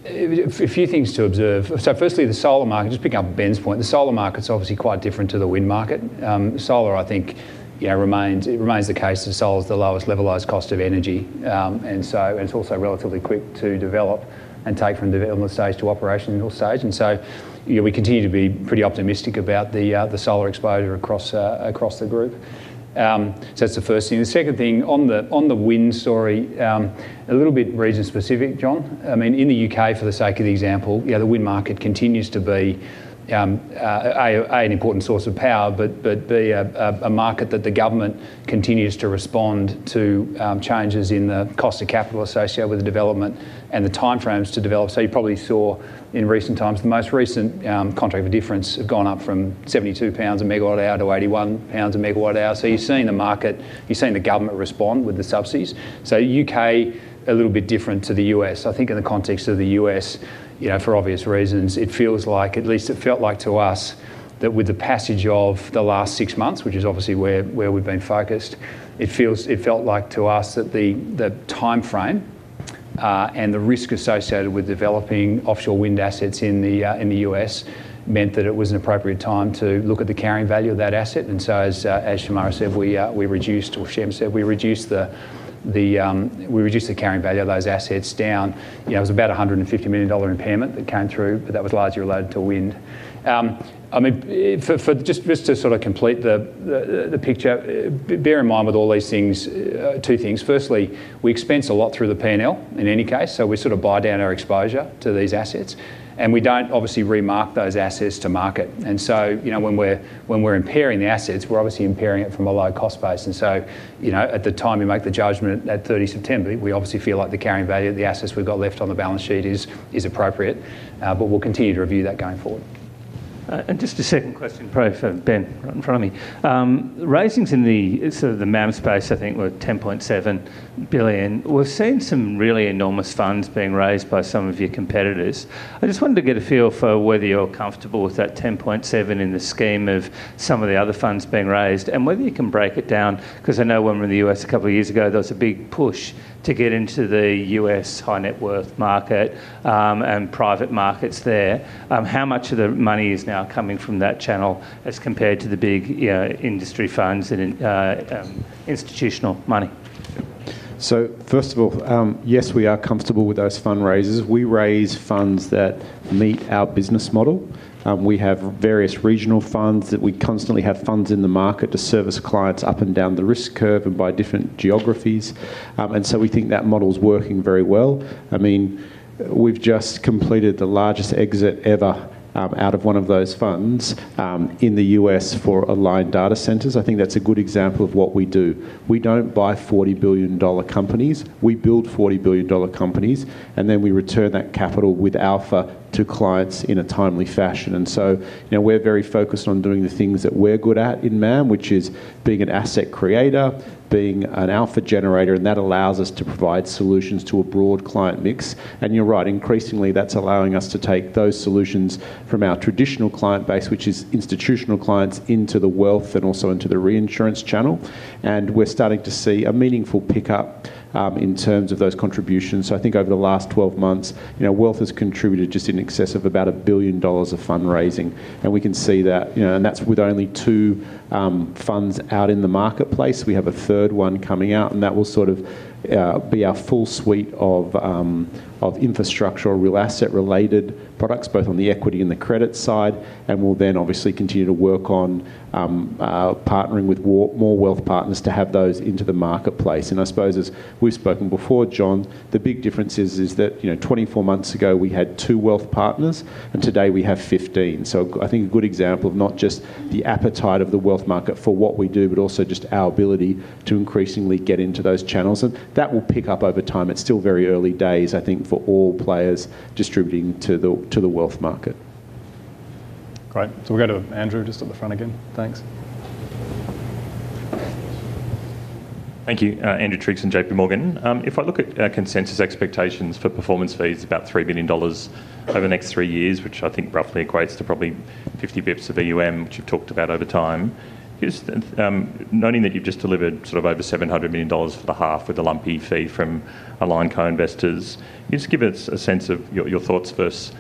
a few things to observe. Firstly, the solar market, just picking up Ben's point, the solar market is obviously quite different to the wind market. Solar, I think, remains the case as solar is the lowest levelized cost of energy. It is also relatively quick to develop and take from development stage to operational stage. We continue to be pretty optimistic about the solar exposure across the group. That is the first thing. The second thing on the wind story, a little bit region-specific, John. I mean, in the U.K., for the sake of the example, the wind market continues to be an important source of power, but be a market that the government continues to respond to changes in the cost of capital associated with the development and the timeframes to develop. You probably saw in recent times, the most recent contract for difference have gone up from AUD 72 a megawatt hour to AUD 81 a megawatt hour. You have seen the market, you have seen the government respond with the subsidies. U.K., a little bit different to the U.S. I think in the context of the U.S., for obvious reasons, it feels like, at least it felt like to us, that with the passage of the last six months, which is obviously where we have been focused, it felt like to us that the timeframe. The risk associated with developing offshore wind assets in the U.S. meant that it was an appropriate time to look at the carrying value of that asset. As Shemara said, we reduced, or Shem said, we reduced the carrying value of those assets down. It was about a 150 million dollar impairment that came through, but that was largely related to wind. I mean, just to sort of complete the picture, bear in mind with all these things, two things. Firstly, we expense a lot through the P&L in any case, so we sort of buy down our exposure to these assets. We do not obviously remark those assets to market. When we are impairing the assets, we are obviously impairing it from a low cost base. At the time you make the judgment at 30 September, we obviously feel like the carrying value of the assets we have left on the balance sheet is appropriate. We will continue to review that going forward. Just a second question, probably for Ben in front of me. Raisings in the MEM space, I think, were 10.7 billion. We have seen some really enormous funds being raised by some of your competitors. I just wanted to get a feel for whether you are comfortable with that 10.7 billion in the scheme of some of the other funds being raised and whether you can break it down, because I know when we were in the U.S. a couple of years ago, there was a big push to get into the U.S. high-net-worth market and private markets there. How much of the money is now coming from that channel as compared to the big industry funds and institutional money? First of all, yes, we are comfortable with those fundraisers. We raise funds that meet our business model. We have various regional funds that we constantly have funds in the market to service clients up and down the risk curve and by different geographies. We think that model's working very well. I mean, we've just completed the largest exit ever out of one of those funds in the U.S. for Allied Data Centers. I think that's a good example of what we do. We do not buy 40 billion dollar companies. We build 40 billion dollar companies, and then we return that capital with alpha to clients in a timely fashion. We are very focused on doing the things that we are good at in MEM, which is being an asset creator, being an alpha generator, and that allows us to provide solutions to a broad client mix. You are right, increasingly, that is allowing us to take those solutions from our traditional client base, which is institutional clients, into the wealth and also into the reinsurance channel. We are starting to see a meaningful pickup in terms of those contributions. I think over the last 12 months, wealth has contributed just in excess of about 1 billion dollars of fundraising. We can see that. That is with only two funds out in the marketplace. We have a third one coming out, and that will sort of be our full suite of infrastructure or real asset-related products, both on the equity and the credit side. We will then obviously continue to work on partnering with more wealth partners to have those into the marketplace. I suppose, as we have spoken before, John, the big difference is that 24 months ago, we had two wealth partners, and today we have 15. I think a good example of not just the appetite of the wealth market for what we do, but also just our ability to increasingly get into those channels. That will pick up over time. It is still very early days, I think, for all players distributing to the wealth market. Great. We will go to Andrew just at the front again. Thanks. Thank you, Andrew Triggs and JPMorgan. If I look at consensus expectations for performance fees, about 3 billion dollars over the next three years, which I think roughly equates to probably 50 basis points of EUM, which you've talked about over time, just noting that you've just delivered sort of over 700 million dollars for the half with a lumpy fee from Align Co-investors, just give us a sense of your thoughts versus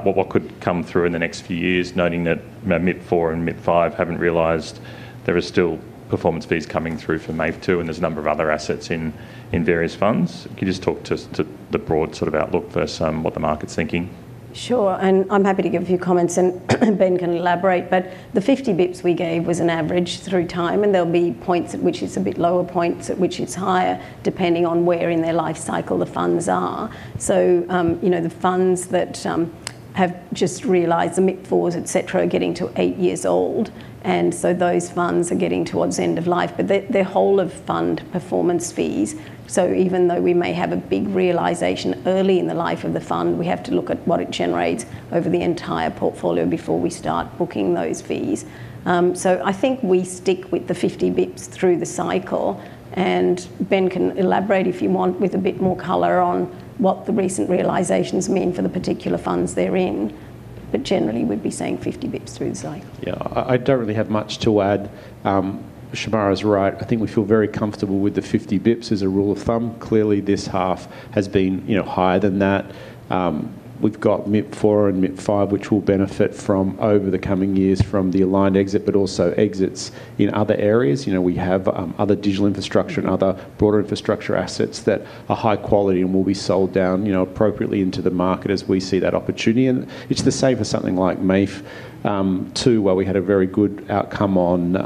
what could come through in the next few years, noting that MIP4 and MIP5 haven't realized there are still performance fees coming through for MAV2, and there's a number of other assets in various funds. Can you just talk to the broad sort of outlook versus what the market's thinking? Sure. I'm happy to give a few comments, and Ben can elaborate. But the 50 basis points we gave was an average through time, and there'll be points at which it's a bit lower, points at which it's higher, depending on where in their life cycle the funds are. The funds that have just realized, the MIP4s, etc., are getting to eight years old. Those funds are getting towards the end of life. The whole of fund performance fees, even though we may have a big realization early in the life of the fund, we have to look at what it generates over the entire portfolio before we start booking those fees. I think we stick with the 50 basis points through the cycle. Ben can elaborate, if you want, with a bit more color on what the recent realizations mean for the particular funds they're in. Generally, we'd be saying 50 basis points through the cycle. Yeah. I do not really have much to add. Shemara's right. I think we feel very comfortable with the 50 basis points as a rule of thumb. Clearly, this half has been higher than that. We have MIP4 and MIP5, which will benefit from, over the coming years, from the Allied exit, but also exits in other areas. We have other digital infrastructure and other broader infrastructure assets that are high quality and will be sold down appropriately into the market as we see that opportunity. It is the same for something like MAV2, where we had a very good outcome on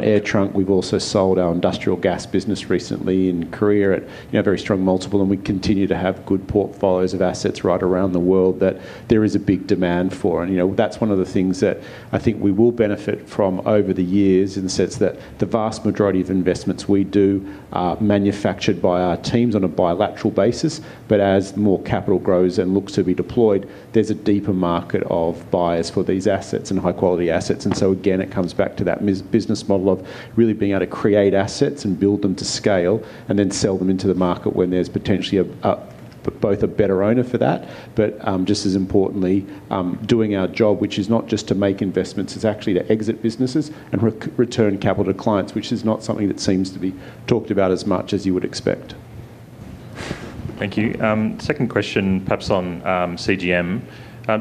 AirTrunk. We have also sold our industrial gas business recently in Korea at a very strong multiple. We continue to have good portfolios of assets right around the world that there is a big demand for. That is one of the things that I think we will benefit from over the years in the sense that the vast majority of investments we do are manufactured by our teams on a bilateral basis. As more capital grows and looks to be deployed, there is a deeper market of buyers for these assets and high-quality assets. It comes back to that business model of really being able to create assets and build them to scale and then sell them into the market when there is potentially both a better owner for that, but just as importantly, doing our job, which is not just to make investments, it is actually to exit businesses and return capital to clients, which is not something that seems to be talked about as much as you would expect. Thank you. Second question, perhaps on CGM.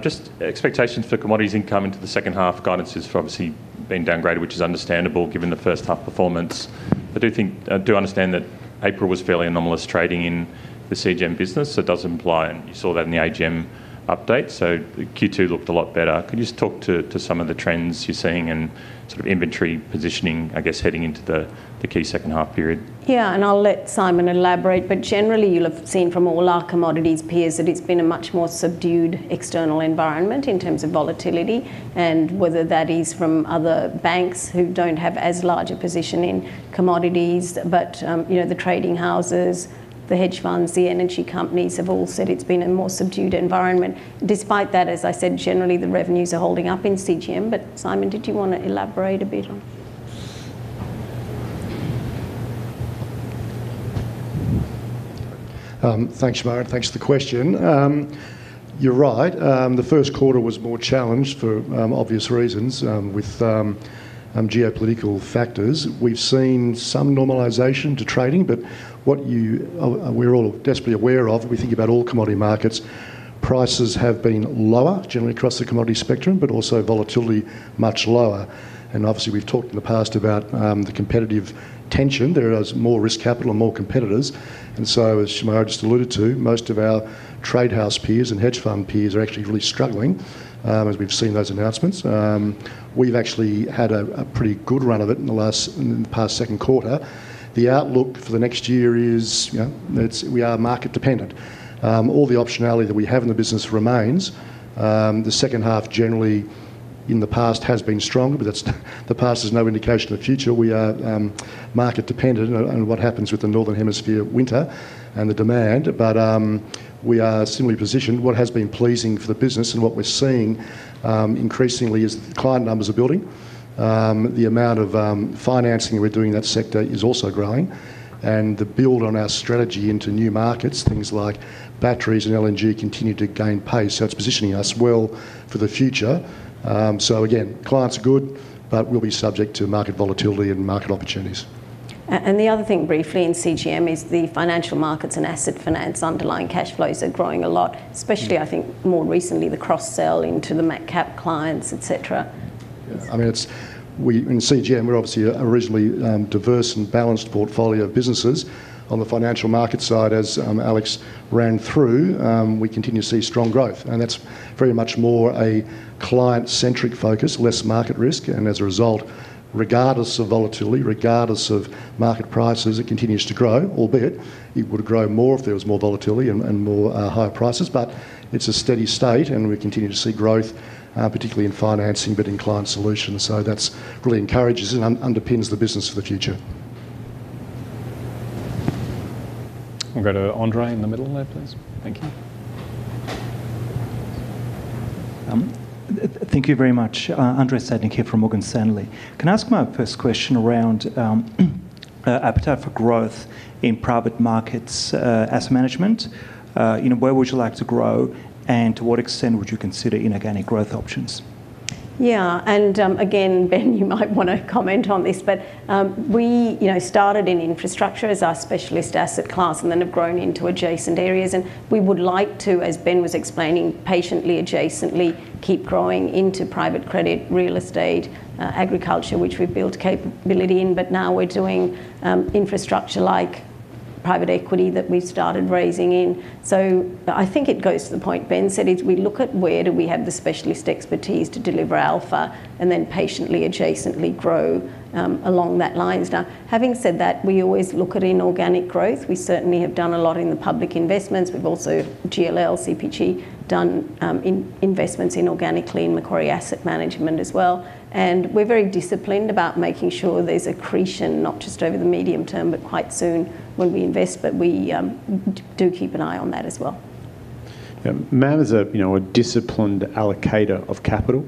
Just expectations for commodities income into the second half guidance has obviously been downgraded, which is understandable given the first half performance. I do understand that April was fairly anomalous trading in the CGM business. It does imply, and you saw that in the AGM update, so Q2 looked a lot better. Can you just talk to some of the trends you're seeing and sort of inventory positioning, I guess, heading into the key second half period? Yeah. And I'll let Simon elaborate. Generally, you'll have seen from all our commodities peers that it's been a much more subdued external environment in terms of volatility and whether that is from other banks who do not have as large a position in commodities. The trading houses, the hedge funds, the energy companies have all said it's been a more subdued environment. Despite that, as I said, generally, the revenues are holding up in CGM. Simon, did you want to elaborate a bit on? Thanks, Shemara. Thanks for the question. You're right. The first quarter was more challenged for obvious reasons with geopolitical factors. We've seen some normalization to trading, but what we're all desperately aware of, we think about all commodity markets, prices have been lower, generally across the commodity spectrum, but also volatility much lower. Obviously, we've talked in the past about the competitive tension. There is more risk capital and more competitors. As Shemara just alluded to, most of our tradehouse peers and hedge fund peers are actually really struggling as we've seen those announcements. We've actually had a pretty good run of it in the past second quarter. The outlook for the next year is we are market dependent. All the optionality that we have in the business remains. The second half, generally, in the past has been stronger, but the past is no indication of the future. We are market dependent on what happens with the northern hemisphere winter and the demand. We are similarly positioned. What has been pleasing for the business and what we're seeing increasingly is client numbers are building. The amount of financing we're doing in that sector is also growing. The build on our strategy into new markets, things like batteries and LNG, continues to gain pace. It is positioning us well for the future. Again, clients are good, but we'll be subject to market volatility and market opportunities. The other thing briefly in CGM is the financial markets and asset finance underlying cash flows are growing a lot, especially, I think, more recently, the cross-sell into the Metcalf clients, etc. Yeah. I mean, in CGM, we're obviously an originally diverse and balanced portfolio of businesses. On the financial market side, as Alex ran through, we continue to see strong growth. That is very much more a client-centric focus, less market risk. As a result, regardless of volatility, regardless of market prices, it continues to grow, albeit it would grow more if there was more volatility and more higher prices. It is a steady state, and we continue to see growth, particularly in financing, but in client solutions. That really encourages and underpins the business for the future. We'll go to Andrei in the middle there, please. Thank you. Thank you very much. Andrei Stadnik here from Morgan Stanley. Can I ask my first question around appetite for growth in private markets asset management? Where would you like to grow, and to what extent would you consider inorganic growth options? Yeah. Ben, you might want to comment on this, but we started in infrastructure as our specialist asset class and then have grown into adjacent areas. We would like to, as Ben was explaining, patiently, adjacently, keep growing into private credit, real estate, agriculture, which we have built capability in. Now we are doing infrastructure-like private equity that we have started raising in. I think it goes to the point Ben said, we look at where we have the specialist expertise to deliver alpha and then patiently, adjacently grow along that line. Now, having said that, we always look at inorganic growth. We certainly have done a lot in the public investments. We've also, GLL, CPG, done investments in organically in Macquarie Asset Management as well. We are very disciplined about making sure there's accretion, not just over the medium term, but quite soon when we invest. We do keep an eye on that as well. Yeah. MAM is a disciplined allocator of capital.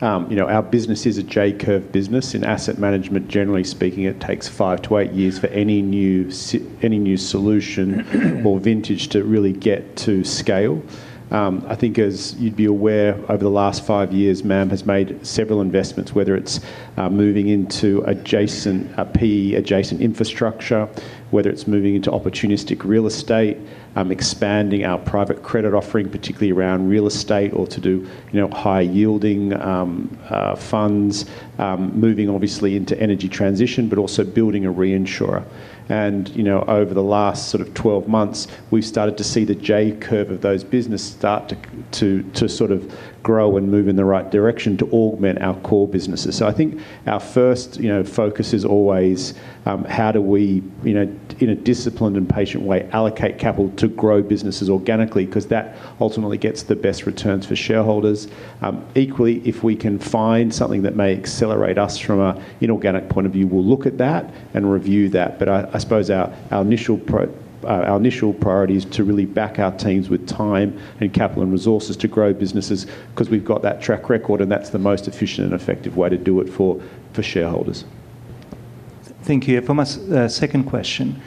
Our business is a J-curve business. In asset management, generally speaking, it takes five to eight years for any new solution or vintage to really get to scale. I think, as you'd be aware, over the last five years, MAM has made several investments, whether it's moving into adjacent PE, adjacent infrastructure, whether it's moving into opportunistic real estate, expanding our private credit offering, particularly around real estate or to do high-yielding funds, moving obviously into energy transition, but also building a reinsurer. Over the last sort of 12 months, we've started to see the J-curve of those businesses start to sort of grow and move in the right direction to augment our core businesses. I think our first focus is always how do we, in a disciplined and patient way, allocate capital to grow businesses organically because that ultimately gets the best returns for shareholders. Equally, if we can find something that may accelerate us from an inorganic point of view, we'll look at that and review that. I suppose our initial priority is to really back our teams with time and capital and resources to grow businesses because we've got that track record, and that's the most efficient and effective way to do it for shareholders. Thank you. For my second question,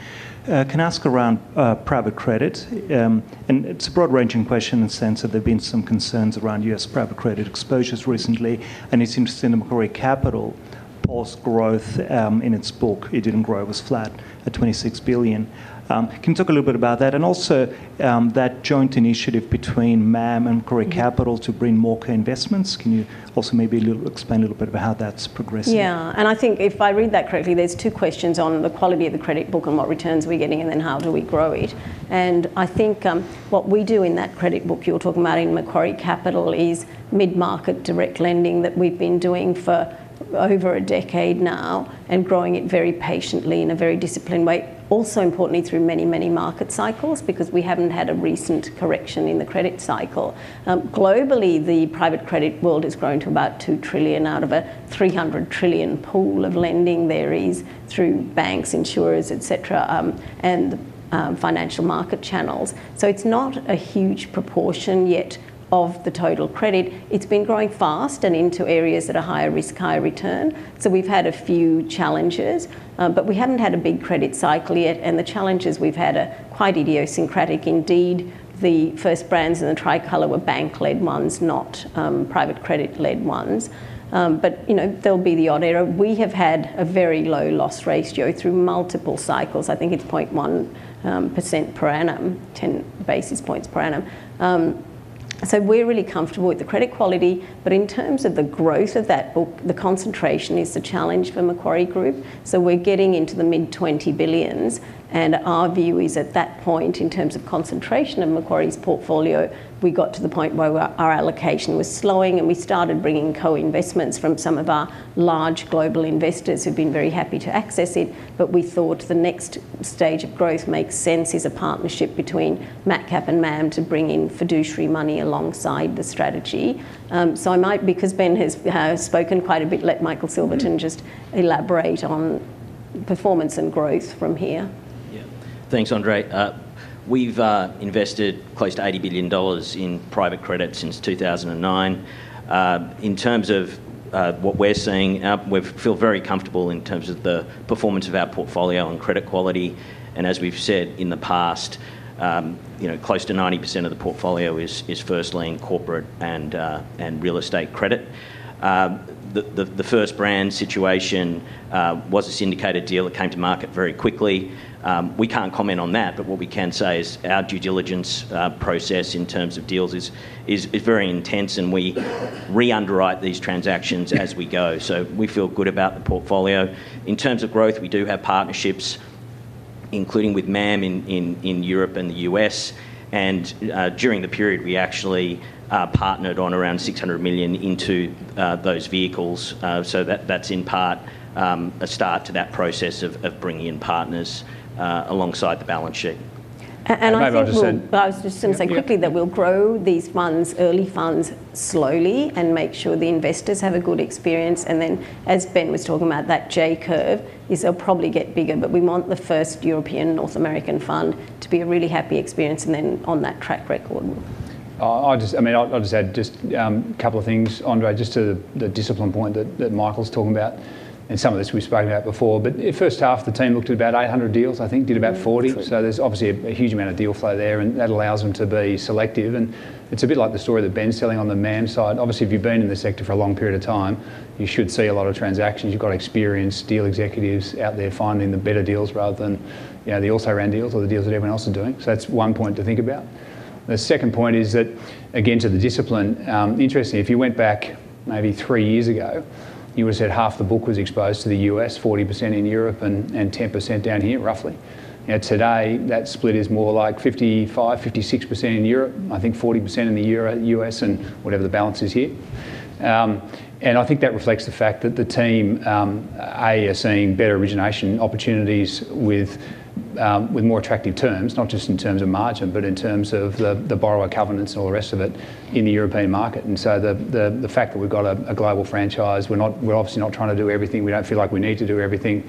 can I ask around private credit? It is a broad-ranging question in the sense that there have been some concerns around US private credit exposures recently, and it is interesting that Macquarie Capital paused growth in its book. It did not grow; it was flat at 26 billion. Can you talk a little bit about that? Also, that joint initiative between MAM and Macquarie Capital to bring more co-investments. Can you also maybe explain a little bit about how that is progressing? Yeah. I think if I read that correctly, there are two questions on the quality of the credit book and what returns we are getting and then how do we grow it. I think what we do in that credit book you're talking about in Macquarie Capital is mid-market direct lending that we've been doing for over a decade now and growing it very patiently in a very disciplined way, also importantly through many, many market cycles because we haven't had a recent correction in the credit cycle. Globally, the private credit world has grown to about 2 trillion out of a 300 trillion pool of lending there is through banks, insurers, etc., and financial market channels. It's not a huge proportion yet of the total credit. It's been growing fast and into areas that are higher risk, higher return. We've had a few challenges, but we haven't had a big credit cycle yet. The challenges we've had are quite idiosyncratic. Indeed, the FirstRand in the tri-color were bank-led ones, not private credit-led ones. There'll be the odd error. We have had a very low loss ratio through multiple cycles. I think it's 0.1% per annum, 10 basis points per annum. We're really comfortable with the credit quality. In terms of the growth of that book, the concentration is the challenge for Macquarie Group. We're getting into the mid-20 billions. Our view is at that point, in terms of concentration of Macquarie's portfolio, we got to the point where our allocation was slowing and we started bringing co-investments from some of our large global investors who've been very happy to access it. We thought the next stage of growth that makes sense is a partnership between Metcalf and MAM to bring in fiduciary money alongside the strategy. I might, because Ben has spoken quite a bit, let Michael Silverton just elaborate on performance and growth from here. Yeah. Thanks, Andrei. We've invested close to 80 billion dollars in private credit since 2009. In terms of what we're seeing, we feel very comfortable in terms of the performance of our portfolio and credit quality. As we've said in the past, close to 90% of the portfolio is firstly in corporate and real estate credit. The FirstRand situation was a syndicated deal. It came to market very quickly. We can't comment on that, but what we can say is our due diligence process in terms of deals is very intense, and we re-underwrite these transactions as we go. We feel good about the portfolio. In terms of growth, we do have partnerships, including with MAM in Europe and the U.S. During the period, we actually partnered on around 600 million into those vehicles. That's in part. A start to that process of bringing in partners alongside the balance sheet. I was just going to say quickly that we'll grow these funds, early funds slowly, and make sure the investors have a good experience. Then, as Ben was talking about, that J-curve is they'll probably get bigger, but we want the first European North American fund to be a really happy experience and then on that track record. I mean, I'll just add just a couple of things, Andrei, just to the discipline point that Michael's talking about and some of this we've spoken about before. First half, the team looked at about 800 deals. I think did about 40. There is obviously a huge amount of deal flow there, and that allows them to be selective. It is a bit like the story that Ben's telling on the MAM side. Obviously, if you've been in the sector for a long period of time, you should see a lot of transactions. You've got experienced deal executives out there finding the better deals rather than the auto rent deals or the deals that everyone else is doing. That is one point to think about. The second point is that, again, to the discipline, interestingly, if you went back maybe three years ago, you would have said half the book was exposed to the U.S., 40% in Europe and 10% down here, roughly. Today, that split is more like 55%-56% in Europe, I think 40% in the U.S. and whatever the balance is here. I think that reflects the fact that the team are seeing better origination opportunities with. More attractive terms, not just in terms of margin, but in terms of the borrower covenants and all the rest of it in the European market. The fact that we've got a global franchise, we're obviously not trying to do everything. We don't feel like we need to do everything.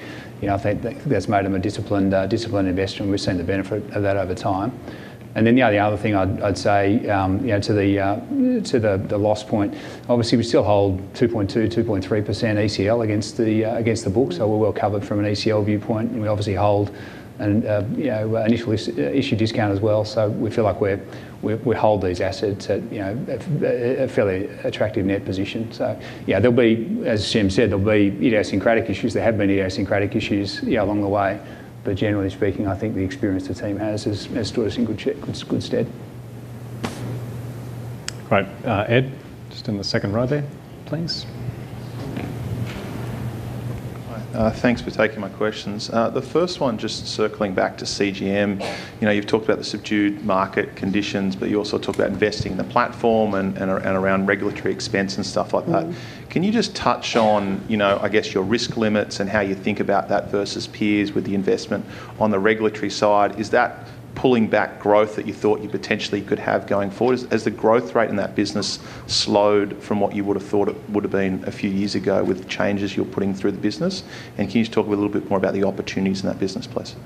I think that's made them a disciplined investor, and we've seen the benefit of that over time. The other thing I'd say, to the loss point, obviously, we still hold 2.2%-2.3% ACL against the book. We're well covered from an ACL viewpoint. We obviously hold an initial issue discount as well. We feel like we hold these assets at a fairly attractive net position. Yeah, as Jim said, there'll be idiosyncratic issues. There have been idiosyncratic issues along the way. But generally speaking, I think the experience the team has has stood us in good stead. Great. Ed, just in the second row there, please. Thanks for taking my questions. The first one, just circling back to CGM, you've talked about the subdued market conditions, but you also talked about investing in the platform and around regulatory expense and stuff like that. Can you just touch on, I guess, your risk limits and how you think about that versus peers with the investment on the regulatory side? Is that pulling back growth that you thought you potentially could have going forward? Has the growth rate in that business slowed from what you would have thought it would have been a few years ago with the changes you're putting through the business? And can you just talk a little bit more about the opportunities in that business place?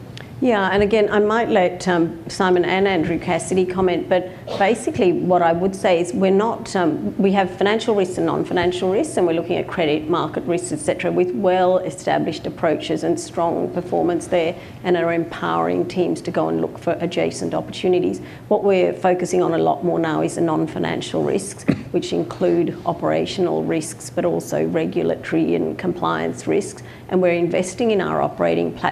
Yeah. I might let Simon and Andrew Cassidy comment, but basically what I would say is we have financial risks and non-financial risks, and we're looking at credit market risks, etc., with well-established approaches and strong performance there and are empowering teams to go and look for adjacent opportunities. What we're focusing on a lot more now is the non-financial risks, which include operational risks, but also regulatory and compliance risks. We're investing in our operating platform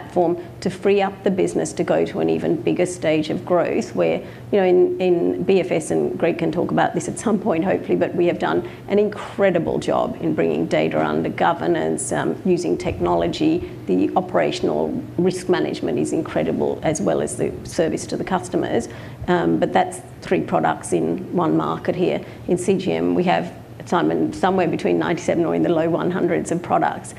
to free up the business to go to an even bigger stage of growth. In BFS, and Greg can talk about this at some point, hopefully, we have done an incredible job in bringing data under governance, using technology. The operational risk management is incredible, as well as the service to the customers. That's three products in one market here. In CGM, we have somewhere between 97 or in the low 100s of products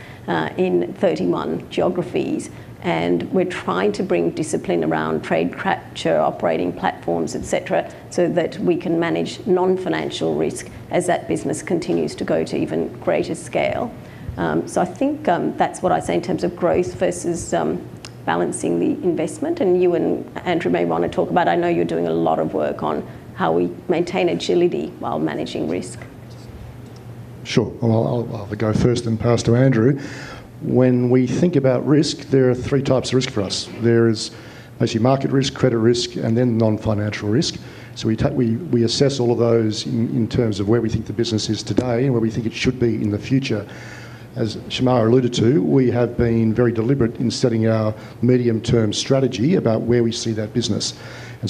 in 31 geographies. We are trying to bring discipline around trade capture, operating platforms, etc., so that we can manage non-financial risk as that business continues to go to even greater scale. I think that is what I say in terms of growth versus balancing the investment. You and Andrew may want to talk about, I know you are doing a lot of work on how we maintain agility while managing risk. Sure. I will go first and pass to Andrew. When we think about risk, there are three types of risk for us. There is actually market risk, credit risk, and then non-financial risk. We assess all of those in terms of where we think the business is today and where we think it should be in the future. As Shemara alluded to, we have been very deliberate in setting our medium-term strategy about where we see that business.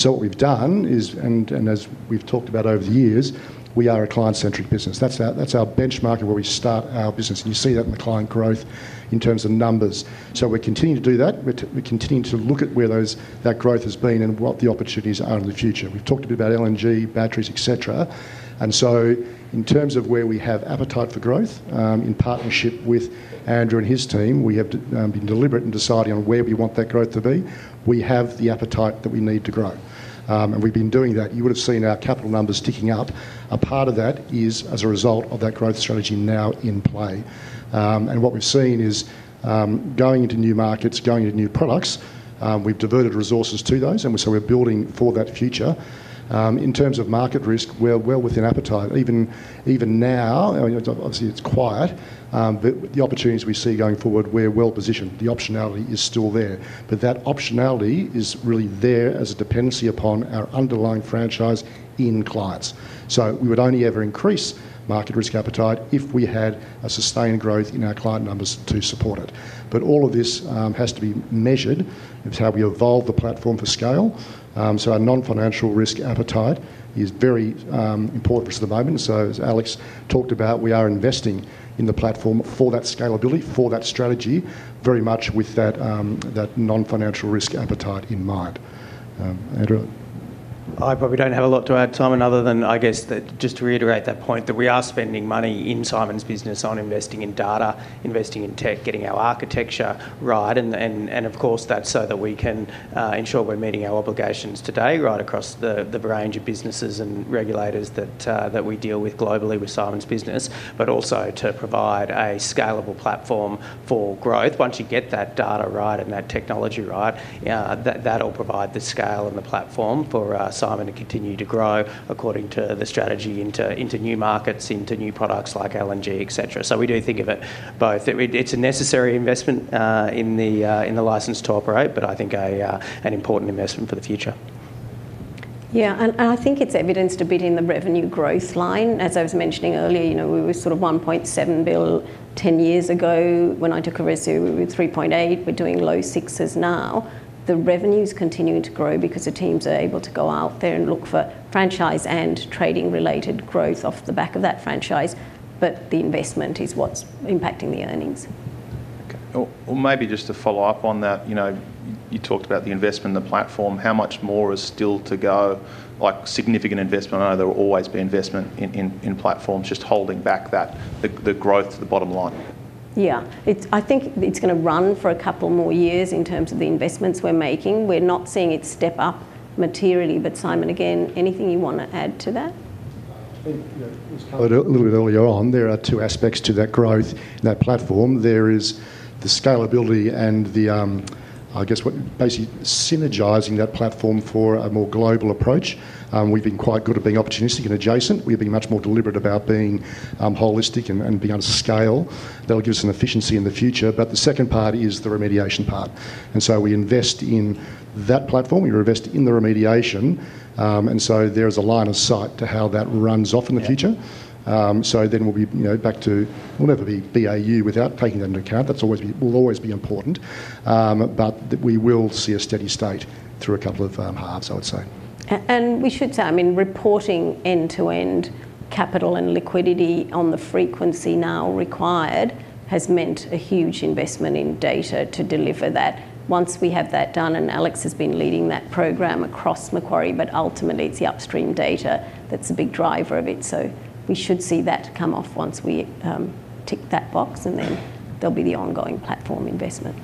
What we have done is, and as we have talked about over the years, we are a client-centric business. That is our benchmark of where we start our business. You see that in the client growth in terms of numbers. We are continuing to do that. We are continuing to look at where that growth has been and what the opportunities are in the future. We have talked a bit about LNG, batteries, etc. In terms of where we have appetite for growth, in partnership with Andrew and his team, we have been deliberate in deciding on where we want that growth to be. We have the appetite that we need to grow. We have been doing that. You would have seen our capital numbers ticking up. A part of that is as a result of that growth strategy now in play. What we've seen is, going into new markets, going into new products, we've diverted resources to those. We are building for that future. In terms of market risk, we're well within appetite. Even now, obviously, it's quiet, but the opportunities we see going forward, we're well positioned. The optionality is still there. That optionality is really there as a dependency upon our underlying franchise in clients. We would only ever increase market risk appetite if we had a sustained growth in our client numbers to support it. All of this has to be measured. It's how we evolve the platform for scale. Our non-financial risk appetite is very important for us at the moment. As Alex talked about, we are investing in the platform for that scalability, for that strategy, very much with that non-financial risk appetite in mind. Andrew. I probably do not have a lot to add, Simon, other than, I guess, just to reiterate that point that we are spending money in Simon's business on investing in data, investing in tech, getting our architecture right. Of course, that is so that we can ensure we are meeting our obligations today right across the range of businesses and regulators that we deal with globally with Simon's business, but also to provide a scalable platform for growth. Once you get that data right and that technology right, that will provide the scale and the platform for Simon to continue to grow according to the strategy into new markets, into new products like LNG, etc. We do think of it both. It's a necessary investment in the license to operate, but I think an important investment for the future. Yeah. I think it's evidenced a bit in the revenue growth line. As I was mentioning earlier, we were sort of 1.7 billion 10 years ago. When I took a risk, we were 3.8 billion. We're doing low sixes now. The revenue is continuing to grow because the teams are able to go out there and look for franchise and trading-related growth off the back of that franchise. The investment is what's impacting the earnings. Okay. Maybe just to follow up on that. You talked about the investment in the platform. How much more is still to go, significant investment? I know there will always be investment in platforms just holding back the growth to the bottom line. Yeah. I think it's going to run for a couple more years in terms of the investments we're making. We're not seeing it step up materially. Simon, again, anything you want to add to that? I think a little bit earlier on, there are two aspects to that growth, that platform. There is the scalability and, I guess, basically synergizing that platform for a more global approach. We've been quite good at being opportunistic and adjacent. We've been much more deliberate about being holistic and being able to scale. That'll give us an efficiency in the future. The second part is the remediation part. We invest in that platform. We invest in the remediation. There is a line of sight to how that runs off in the future. We'll be back to we'll never be BAU without taking that into account. That will always be important. We will see a steady state through a couple of halves, I would say. We should say, I mean, reporting end-to-end capital and liquidity on the frequency now required has meant a huge investment in data to deliver that. Once we have that done, and Alex has been leading that program across Macquarie, ultimately, it's the upstream data that's a big driver of it. We should see that come off once we tick that box, and then there will be the ongoing platform investment.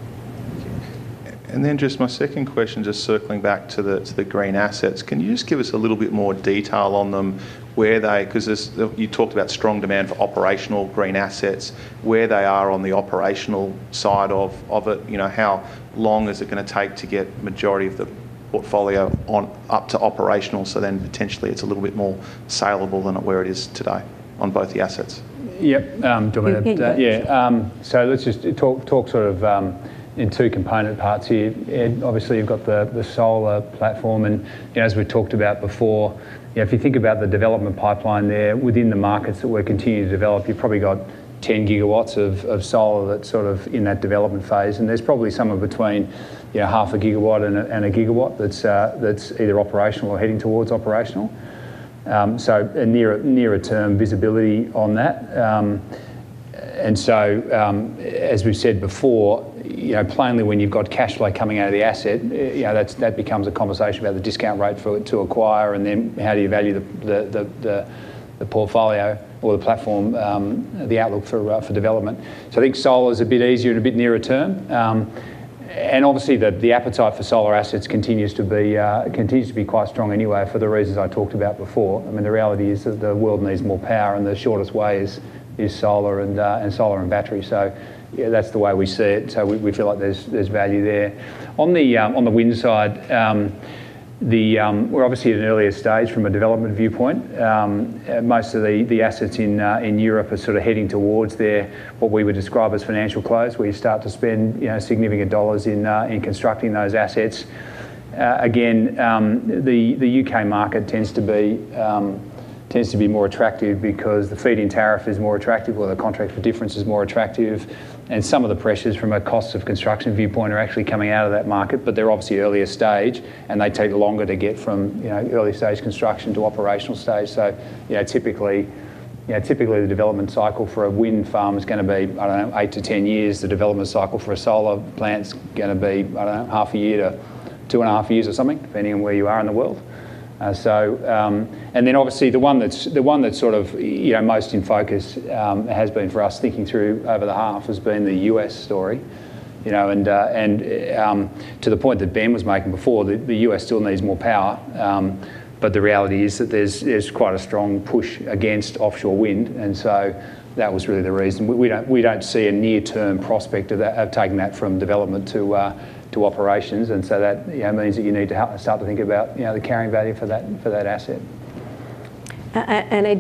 Just my second question, just circling back to the green assets, can you just give us a little bit more detail on them? Because you talked about strong demand for operational green assets, where they are on the operational side of it, how long is it going to take to get the majority of the portfolio up to operational? So then potentially, it's a little bit more saleable than where it is today on both the assets. Yeah. Go ahead. Yeah. Let's just talk sort of in two component parts here. Ed, obviously, you've got the solar platform. And as we talked about before, if you think about the development pipeline there within the markets that we're continuing to develop, you've probably got 10 gigawatts of solar that's sort of in that development phase. And there's probably somewhere between half a gigawatt and a gigawatt that's either operational or heading towards operational. So nearer-term visibility on that. As we have said before, plainly, when you have cash flow coming out of the asset, that becomes a conversation about the discount rate for it to acquire and then how you value the portfolio or the platform. The outlook for development, I think solar is a bit easier and a bit nearer-term. Obviously, the appetite for solar assets continues to be quite strong anyway for the reasons I talked about before. I mean, the reality is that the world needs more power, and the shortest way is solar and battery. That is the way we see it. We feel like there is value there. On the wind side, we are obviously at an earlier stage from a development viewpoint. Most of the assets in Europe are sort of heading towards what we would describe as financial close. We start to spend significant dollars in constructing those assets. Again, the U.K. market tends to be more attractive because the feed-in tariff is more attractive, where the contract for difference is more attractive. Some of the pressures from a cost of construction viewpoint are actually coming out of that market, but they're obviously earlier stage, and they take longer to get from early-stage construction to operational stage. Typically, the development cycle for a wind farm is going to be, I don't know, 8-10 years. The development cycle for a solar plant is going to be, I don't know, half a year to two and a half years or something, depending on where you are in the world. Obviously, the one that's sort of most in focus has been for us thinking through over the half has been the U.S. story. To the point that Ben was making before, the US still needs more power. The reality is that there's quite a strong push against offshore wind. That was really the reason. We do not see a near-term prospect of taking that from development to operations. That means that you need to start to think about the carrying value for that asset.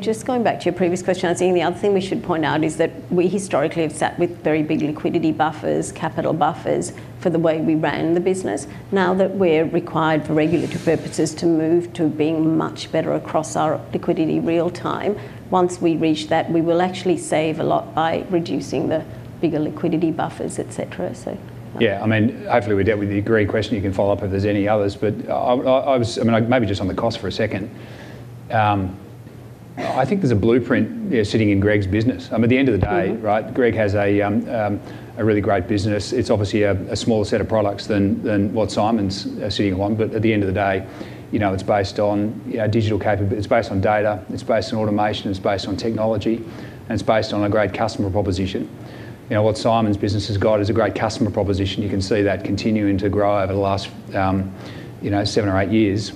Just going back to your previous question, I think the other thing we should point out is that we historically have sat with very big liquidity buffers, capital buffers for the way we ran the business. Now that we are required for regulatory purposes to move to being much better across our liquidity real-time, once we reach that, we will actually save a lot by reducing the bigger liquidity buffers, etc. Yeah. I mean, hopefully, we dealt with the great question. You can follow up if there are any others. I mean, maybe just on the cost for a second. I think there is a blueprint sitting in Greg's business. At the end of the day, Greg has a really great business. It is obviously a smaller set of products than what Simon is sitting on. At the end of the day, it is based on digital capability. It is based on data. It is based on automation. It is based on technology. It is based on a great customer proposition. What Simon's business has got is a great customer proposition. You can see that continuing to grow over the last seven or eight years.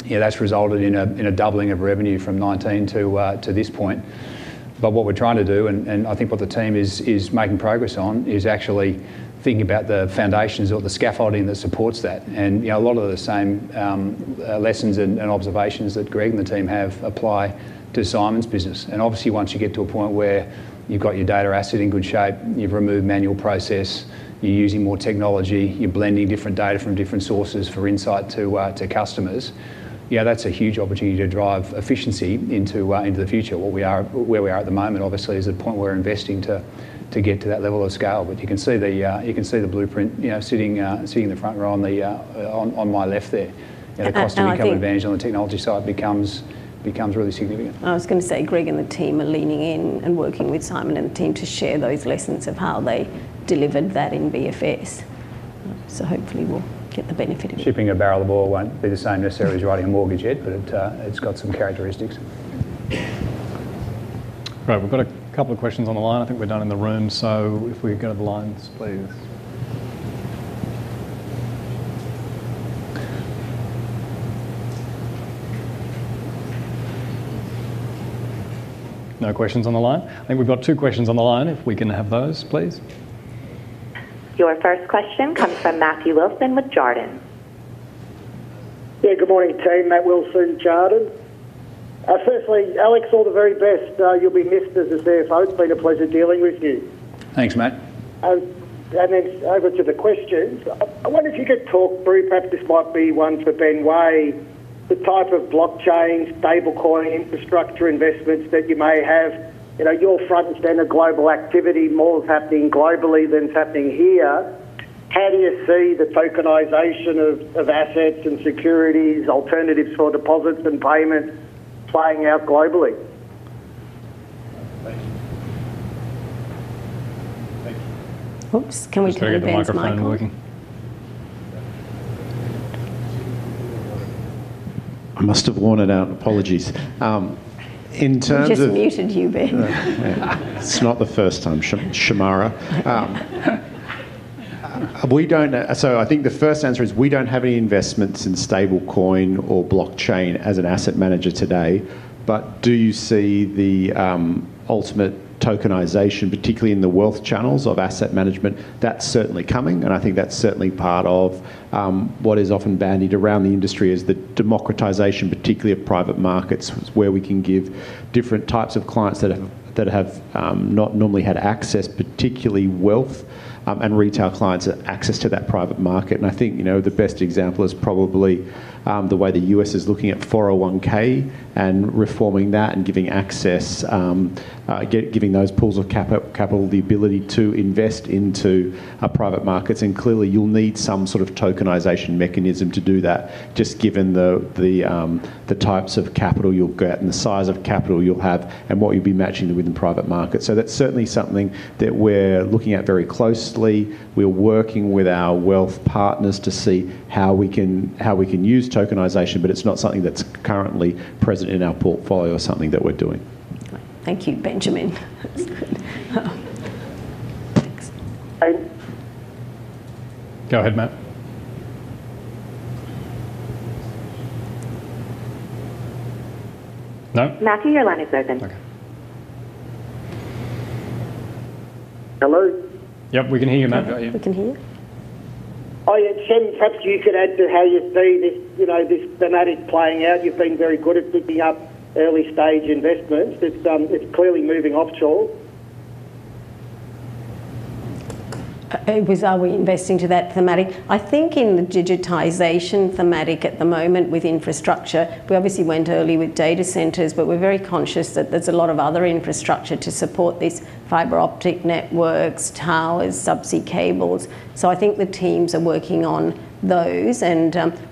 That has resulted in a doubling of revenue from 2019 to this point. What we're trying to do, and I think what the team is making progress on, is actually thinking about the foundations or the scaffolding that supports that. A lot of the same lessons and observations that Greg and the team have apply to Simon's business. Obviously, once you get to a point where you've got your data asset in good shape, you've removed manual process, you're using more technology, you're blending different data from different sources for insight to customers, that's a huge opportunity to drive efficiency into the future. Where we are at the moment, obviously, is a point where we're investing to get to that level of scale. You can see the blueprint sitting in the front row on my left there. The cost of recovery advantage on the technology side becomes really significant. I was going to say Greg and the team are leaning in and working with Simon and the team to share those lessons of how they delivered that in BFS. Hopefully, we'll get the benefit of it. Shipping a barrel of oil won't be the same necessarily as writing a mortgage yet, but it's got some characteristics. Right. We've got a couple of questions on the line. I think we're done in the room. If we go to the lines, please. No questions on the line. I think we've got two questions on the line. If we can have those, please. Your first question comes from Matthew Wilson with Jarden. Yeah. Good morning, team. Matt Wilson with Jarden. Firstly, Alex, all the very best. You'll be missed as a CFO. It's been a pleasure dealing with you. Thanks, Matt. And then over to the questions. I wonder if you could talk through, perhaps this might be one for Ben Way, the type of blockchain, stablecoin, infrastructure investments that you may have, your front-end of global activity, more is happening globally than is happening here. How do you see the tokenization of assets and securities, alternatives for deposits and payments playing out globally? Thanks. Oops. Can we do the Ben's microphone? I must have worn it out. Apologies. In terms of. You just muted you, Ben. It's not the first time, Shemara. I think the first answer is we do not have any investments in stablecoin or blockchain as an asset manager today. Do you see the ultimate tokenization, particularly in the wealth channels of asset management? That is certainly coming. I think that is certainly part of. What is often bandied around the industry is the democratization, particularly of private markets, where we can give different types of clients that have not normally had access, particularly wealth and retail clients, access to that private market. I think the best example is probably the way the U.S. is looking at 401(k) and reforming that and giving access. Giving those pools of capital the ability to invest into private markets. Clearly, you'll need some sort of tokenization mechanism to do that, just given the types of capital you'll get and the size of capital you'll have and what you'll be matching within private markets. That is certainly something that we're looking at very closely. We're working with our wealth partners to see how we can use tokenization, but it's not something that's currently present in our portfolio or something that we're doing. Thank you, Benjamin. That's good. Thanks. Go ahead, Matt. No? Matthew, your line is open. Okay. Hello? Yep. We can hear you, Matt. We can hear you. Oh, yeah. Shemara, perhaps you could add to how you see this thematic playing out. You've been very good at picking up early-stage investments. It's clearly moving offshore. It was, "Are we investing to that thematic?" I think in the digitization thematic at the moment with infrastructure, we obviously went early with data centers, but we're very conscious that there's a lot of other infrastructure to support these fiber optic networks, towers, subsea cables. I think the teams are working on those.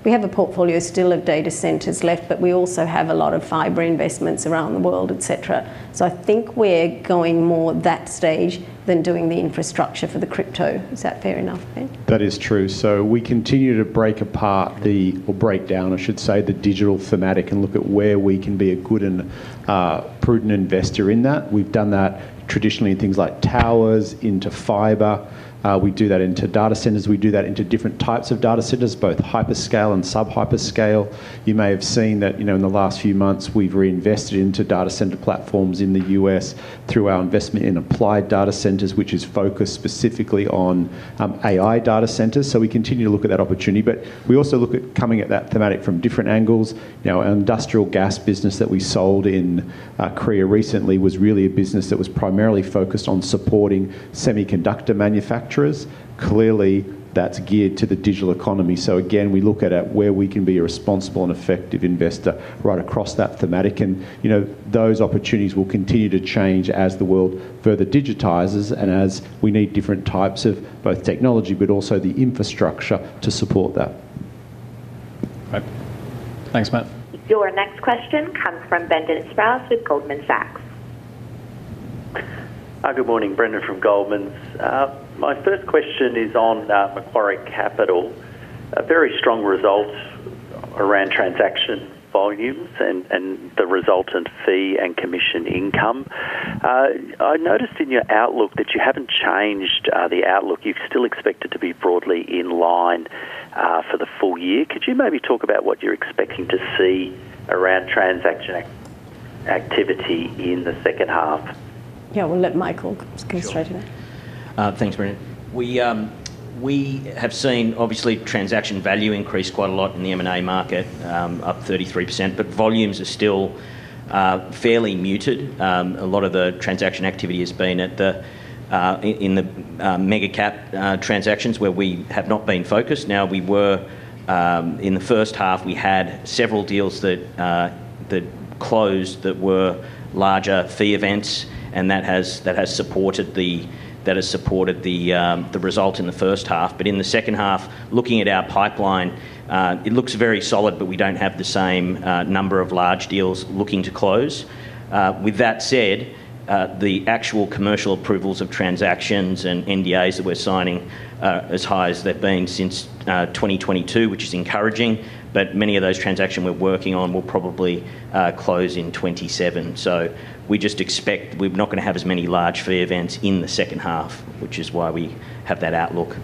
We have a portfolio still of data centers left, but we also have a lot of fiber investments around the world, etc. I think we're going more that stage than doing the infrastructure for the crypto. Is that fair enough, Ben? That is true. We continue to break down the digital thematic and look at where we can be a good and prudent investor in that. We have done that traditionally in things like towers, into fiber. We do that into data centers. We do that into different types of data centers, both hyperscale and subhyperscale. You may have seen that in the last few months, we have reinvested into data center platforms in the U.S. through our investment in Allied Data Centers, which is focused specifically on AI data centers. We continue to look at that opportunity. We also look at coming at that thematic from different angles. Our industrial gas business that we sold in Korea recently was really a business that was primarily focused on supporting semiconductor manufacturers. Clearly, that is geared to the digital economy. Again, we look at where we can be a responsible and effective investor right across that thematic. Those opportunities will continue to change as the world further digitizes and as we need different types of both technology but also the infrastructure to support that. Thanks, Matt. Your next question comes from Brendan Sproules with Goldman Sachs. Good morning. Brendan from Goldman's. My first question is on Macquarie Capital. A very strong result. Around transaction volumes and the resultant fee and commission income. I noticed in your outlook that you have not changed the outlook. You have still expected to be broadly in line for the full year. Could you maybe talk about what you are expecting to see around transaction activity in the second half? Yeah. We will let Michael go straight away. Thanks, Brendan. We have seen, obviously, transaction value increase quite a lot in the M&A market, up 33%. Volumes are still fairly muted. A lot of the transaction activity has been in the mega cap transactions where we have not been focused. In the first half, we had several deals that closed that were larger fee events, and that has supported the result in the first half. In the second half, looking at our pipeline, it looks very solid, but we do not have the same number of large deals looking to close. With that said, the actual commercial approvals of transactions and NDAs that we are signing are as high as they have been since 2022, which is encouraging. Many of those transactions we are working on will probably close in 2027. We just expect we are not going to have as many large fee events in the second half, which is why we have that outlook.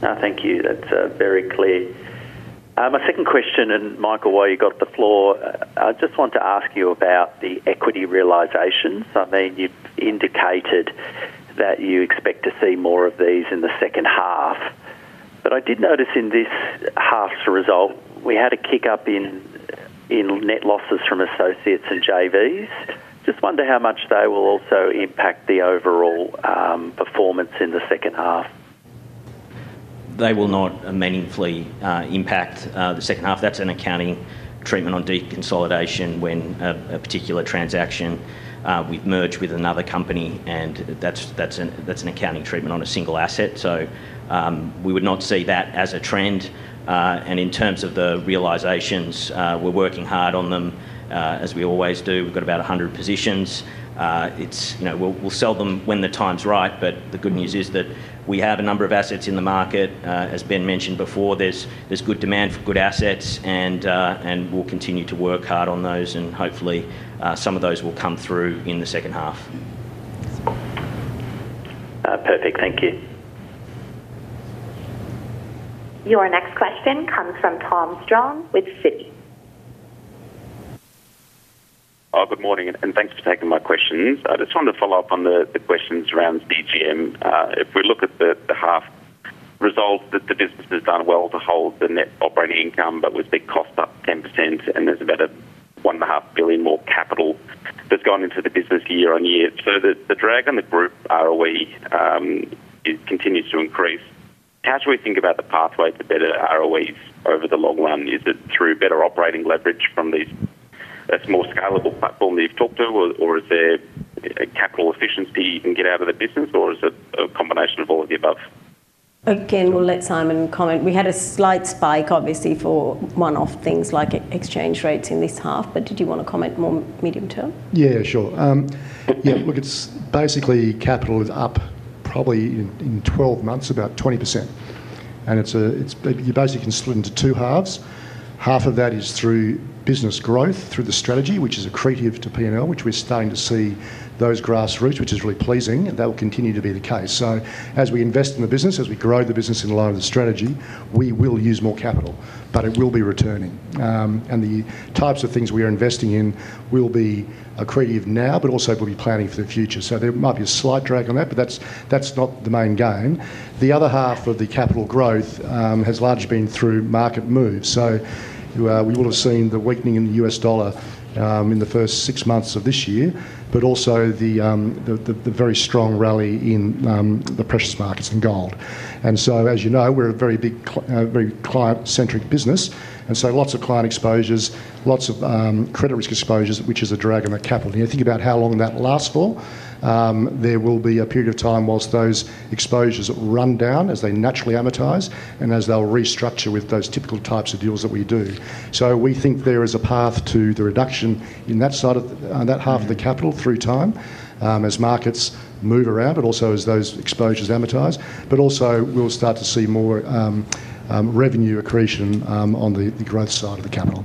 Thank you. That is very clear. My second question, and Michael, while you've got the floor, I just want to ask you about the equity realizations. I mean, you've indicated that you expect to see more of these in the second half. I did notice in this half's result, we had a kick-up in net losses from associates and JVs. I just wonder how much they will also impact the overall performance in the second half. They will not meaningfully impact the second half. That's an accounting treatment on deconsolidation when a particular transaction, we've merged with another company, and that's an accounting treatment on a single asset. We would not see that as a trend. In terms of the realizations, we're working hard on them as we always do. We've got about 100 positions. We'll sell them when the time's right, but the good news is that we have a number of assets in the market. As Ben mentioned before, there's good demand for good assets, and we'll continue to work hard on those. Hopefully, some of those will come through in the second half. Perfect. Thank you. Your next question comes from Tom Strong with Citi. Good morning, and thanks for taking my questions. I just wanted to follow up on the questions around DGM. If we look at the half result, the business has done well to hold the net operating income, but we've seen costs up 10%, and there's about 1.5 billion more capital that's gone into the business year on year. The drag on the group ROE continues to increase. How should we think about the pathway to better ROEs over the long run? Is it through better operating leverage from these, a small scalable platform that you've talked to, or is there capital efficiency you can get out of the business, or is it a combination of all of the above? Again, we'll let Simon comment. We had a slight spike, obviously, for one-off things like exchange rates in this half. Did you want to comment more medium-term? Yeah, yeah, sure. Yeah. Look, it's basically capital is up probably in 12 months about 20%. You basically can split into two halves. Half of that is through business growth through the strategy, which is accretive to P&L, which we're starting to see those grassroots, which is really pleasing. That will continue to be the case. As we invest in the business, as we grow the business in line with the strategy, we will use more capital, but it will be returning. The types of things we are investing in will be accretive now, but also we'll be planning for the future. There might be a slight drag on that, but that's not the main gain. The other half of the capital growth has largely been through market moves. We will have seen the weakening in the US dollar in the first six months of this year, but also the very strong rally in the precious markets and gold. As you know, we're a very client-centric business. Lots of client exposures, lots of credit risk exposures, which is a drag on the capital. You think about how long that lasts for. There will be a period of time whilst those exposures run down as they naturally amortize and as they'll restructure with those typical types of deals that we do. We think there is a path to the reduction in that half of the capital through time as markets move around, but also as those exposures amortize. We will start to see more revenue accretion on the growth side of the capital.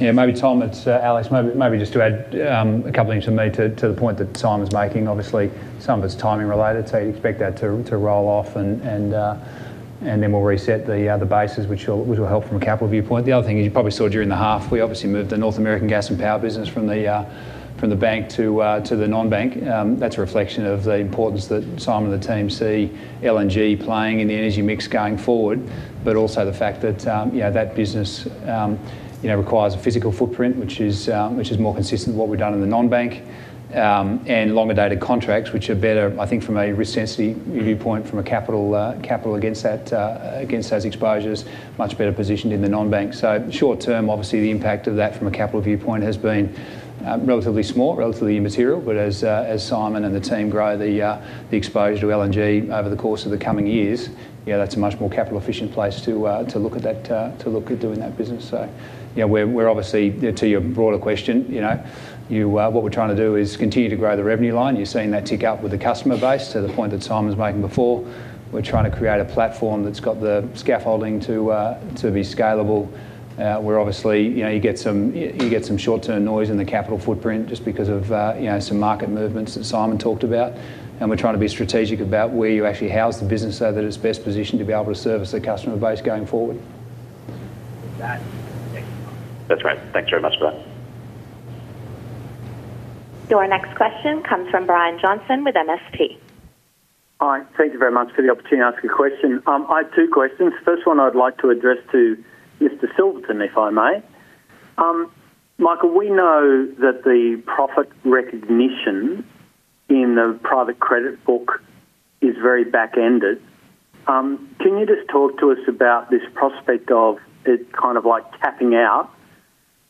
Yeah. Maybe, Tom, it is Alex. Maybe just to add a couple of things from me to the point that Simon is making. Obviously, some of it is timing related. You would expect that to roll off, and then we will reset the bases, which will help from a capital viewpoint. The other thing is you probably saw during the half, we obviously moved the North American gas and power business from the bank to the non-bank. That is a reflection of the importance that Simon and the team see LNG playing in the energy mix going forward, but also the fact that that business. Requires a physical footprint, which is more consistent with what we've done in the non-bank. And longer-dated contracts, which are better, I think, from a risk sensitivity viewpoint, from a capital against. Those exposures, much better positioned in the non-bank. Short term, obviously, the impact of that from a capital viewpoint has been relatively small, relatively immaterial. As Simon and the team grow the exposure to LNG over the course of the coming years, yeah, that's a much more capital-efficient place to look at that, to look at doing that business. Yeah, we're obviously, to your broader question, what we're trying to do is continue to grow the revenue line. You're seeing that tick up with the customer base to the point that Simon's making before. We're trying to create a platform that's got the scaffolding to be scalable. We're obviously, you get some. Short-term noise in the capital footprint just because of some market movements that Simon talked about. We are trying to be strategic about where you actually house the business so that it is best positioned to be able to service the customer base going forward. That is right. Thanks very much for that. Your next question comes from Brian Johnson with MST. Hi. Thank you very much for the opportunity to ask a question. I have two questions. First one, I would like to address to Mr. Silverton, if I may. Michael, we know that the profit recognition in the private credit book is very back-ended. Can you just talk to us about this prospect of it kind of like tapping out?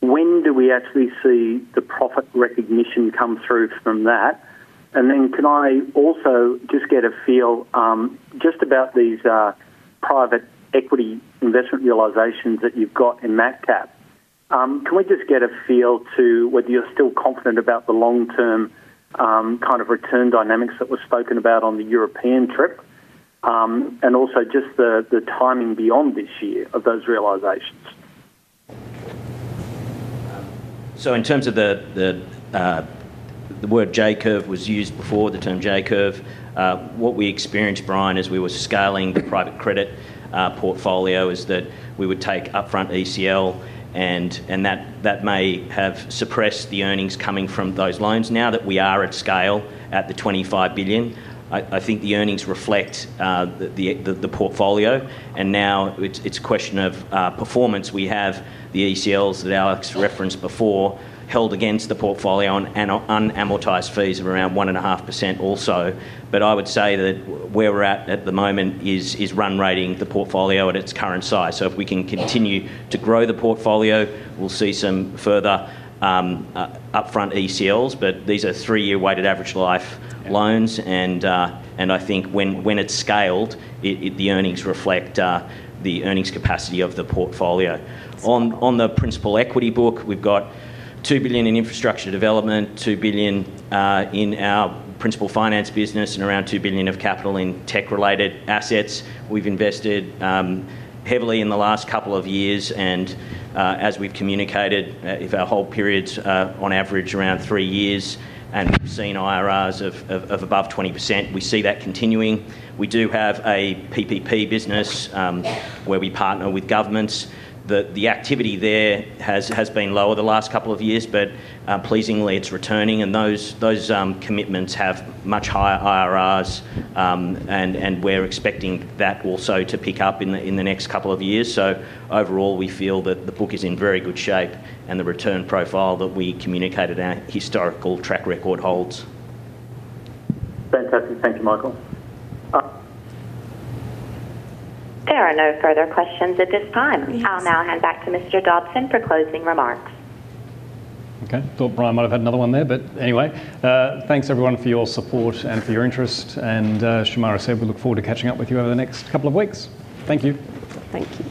When do we actually see the profit recognition come through from that? Can I also just get a feel just about these. Private equity investment realizations that you've got in Metcalf? Can we just get a feel to whether you're still confident about the long-term kind of return dynamics that were spoken about on the European trip. Also just the timing beyond this year of those realizations? In terms of the word J-curve was used before, the term J-curve, what we experienced, Brian, as we were scaling the private credit portfolio is that we would take upfront ECL, and that may have suppressed the earnings coming from those loans. Now that we are at scale at the 25 billion, I think the earnings reflect the portfolio. Now it's a question of performance. We have the ECLs that Alex referenced before held against the portfolio and unamortized fees of around 1.5% also. I would say that where we're at at the moment is run rating the portfolio at its current size. If we can continue to grow the portfolio, we'll see some further upfront ECLs. These are three-year weighted average life loans. I think when it's scaled, the earnings reflect the earnings capacity of the portfolio. On the principal equity book, we've got 2 billion in infrastructure development, 2 billion in our principal finance business, and around 2 billion of capital in tech-related assets. We've invested heavily in the last couple of years. As we've communicated, if our hold periods on average are around three years and we've seen IRRs of above 20%, we see that continuing. We do have a PPP business where we partner with governments. The activity there has been lower the last couple of years, but pleasingly, it's returning. Those commitments have much higher IRRs. We are expecting that also to pick up in the next couple of years. Overall, we feel that the book is in very good shape and the return profile that we communicated, our historical track record, holds. Fantastic. Thank you, Michael. There are no further questions at this time. I will now hand back to Mr. Dobson for closing remarks. Okay. Thought Brian might have had another one there, but anyway, thanks everyone for your support and for your interest. As Shemara said, we look forward to catching up with you over the next couple of weeks. Thank you. Thank you.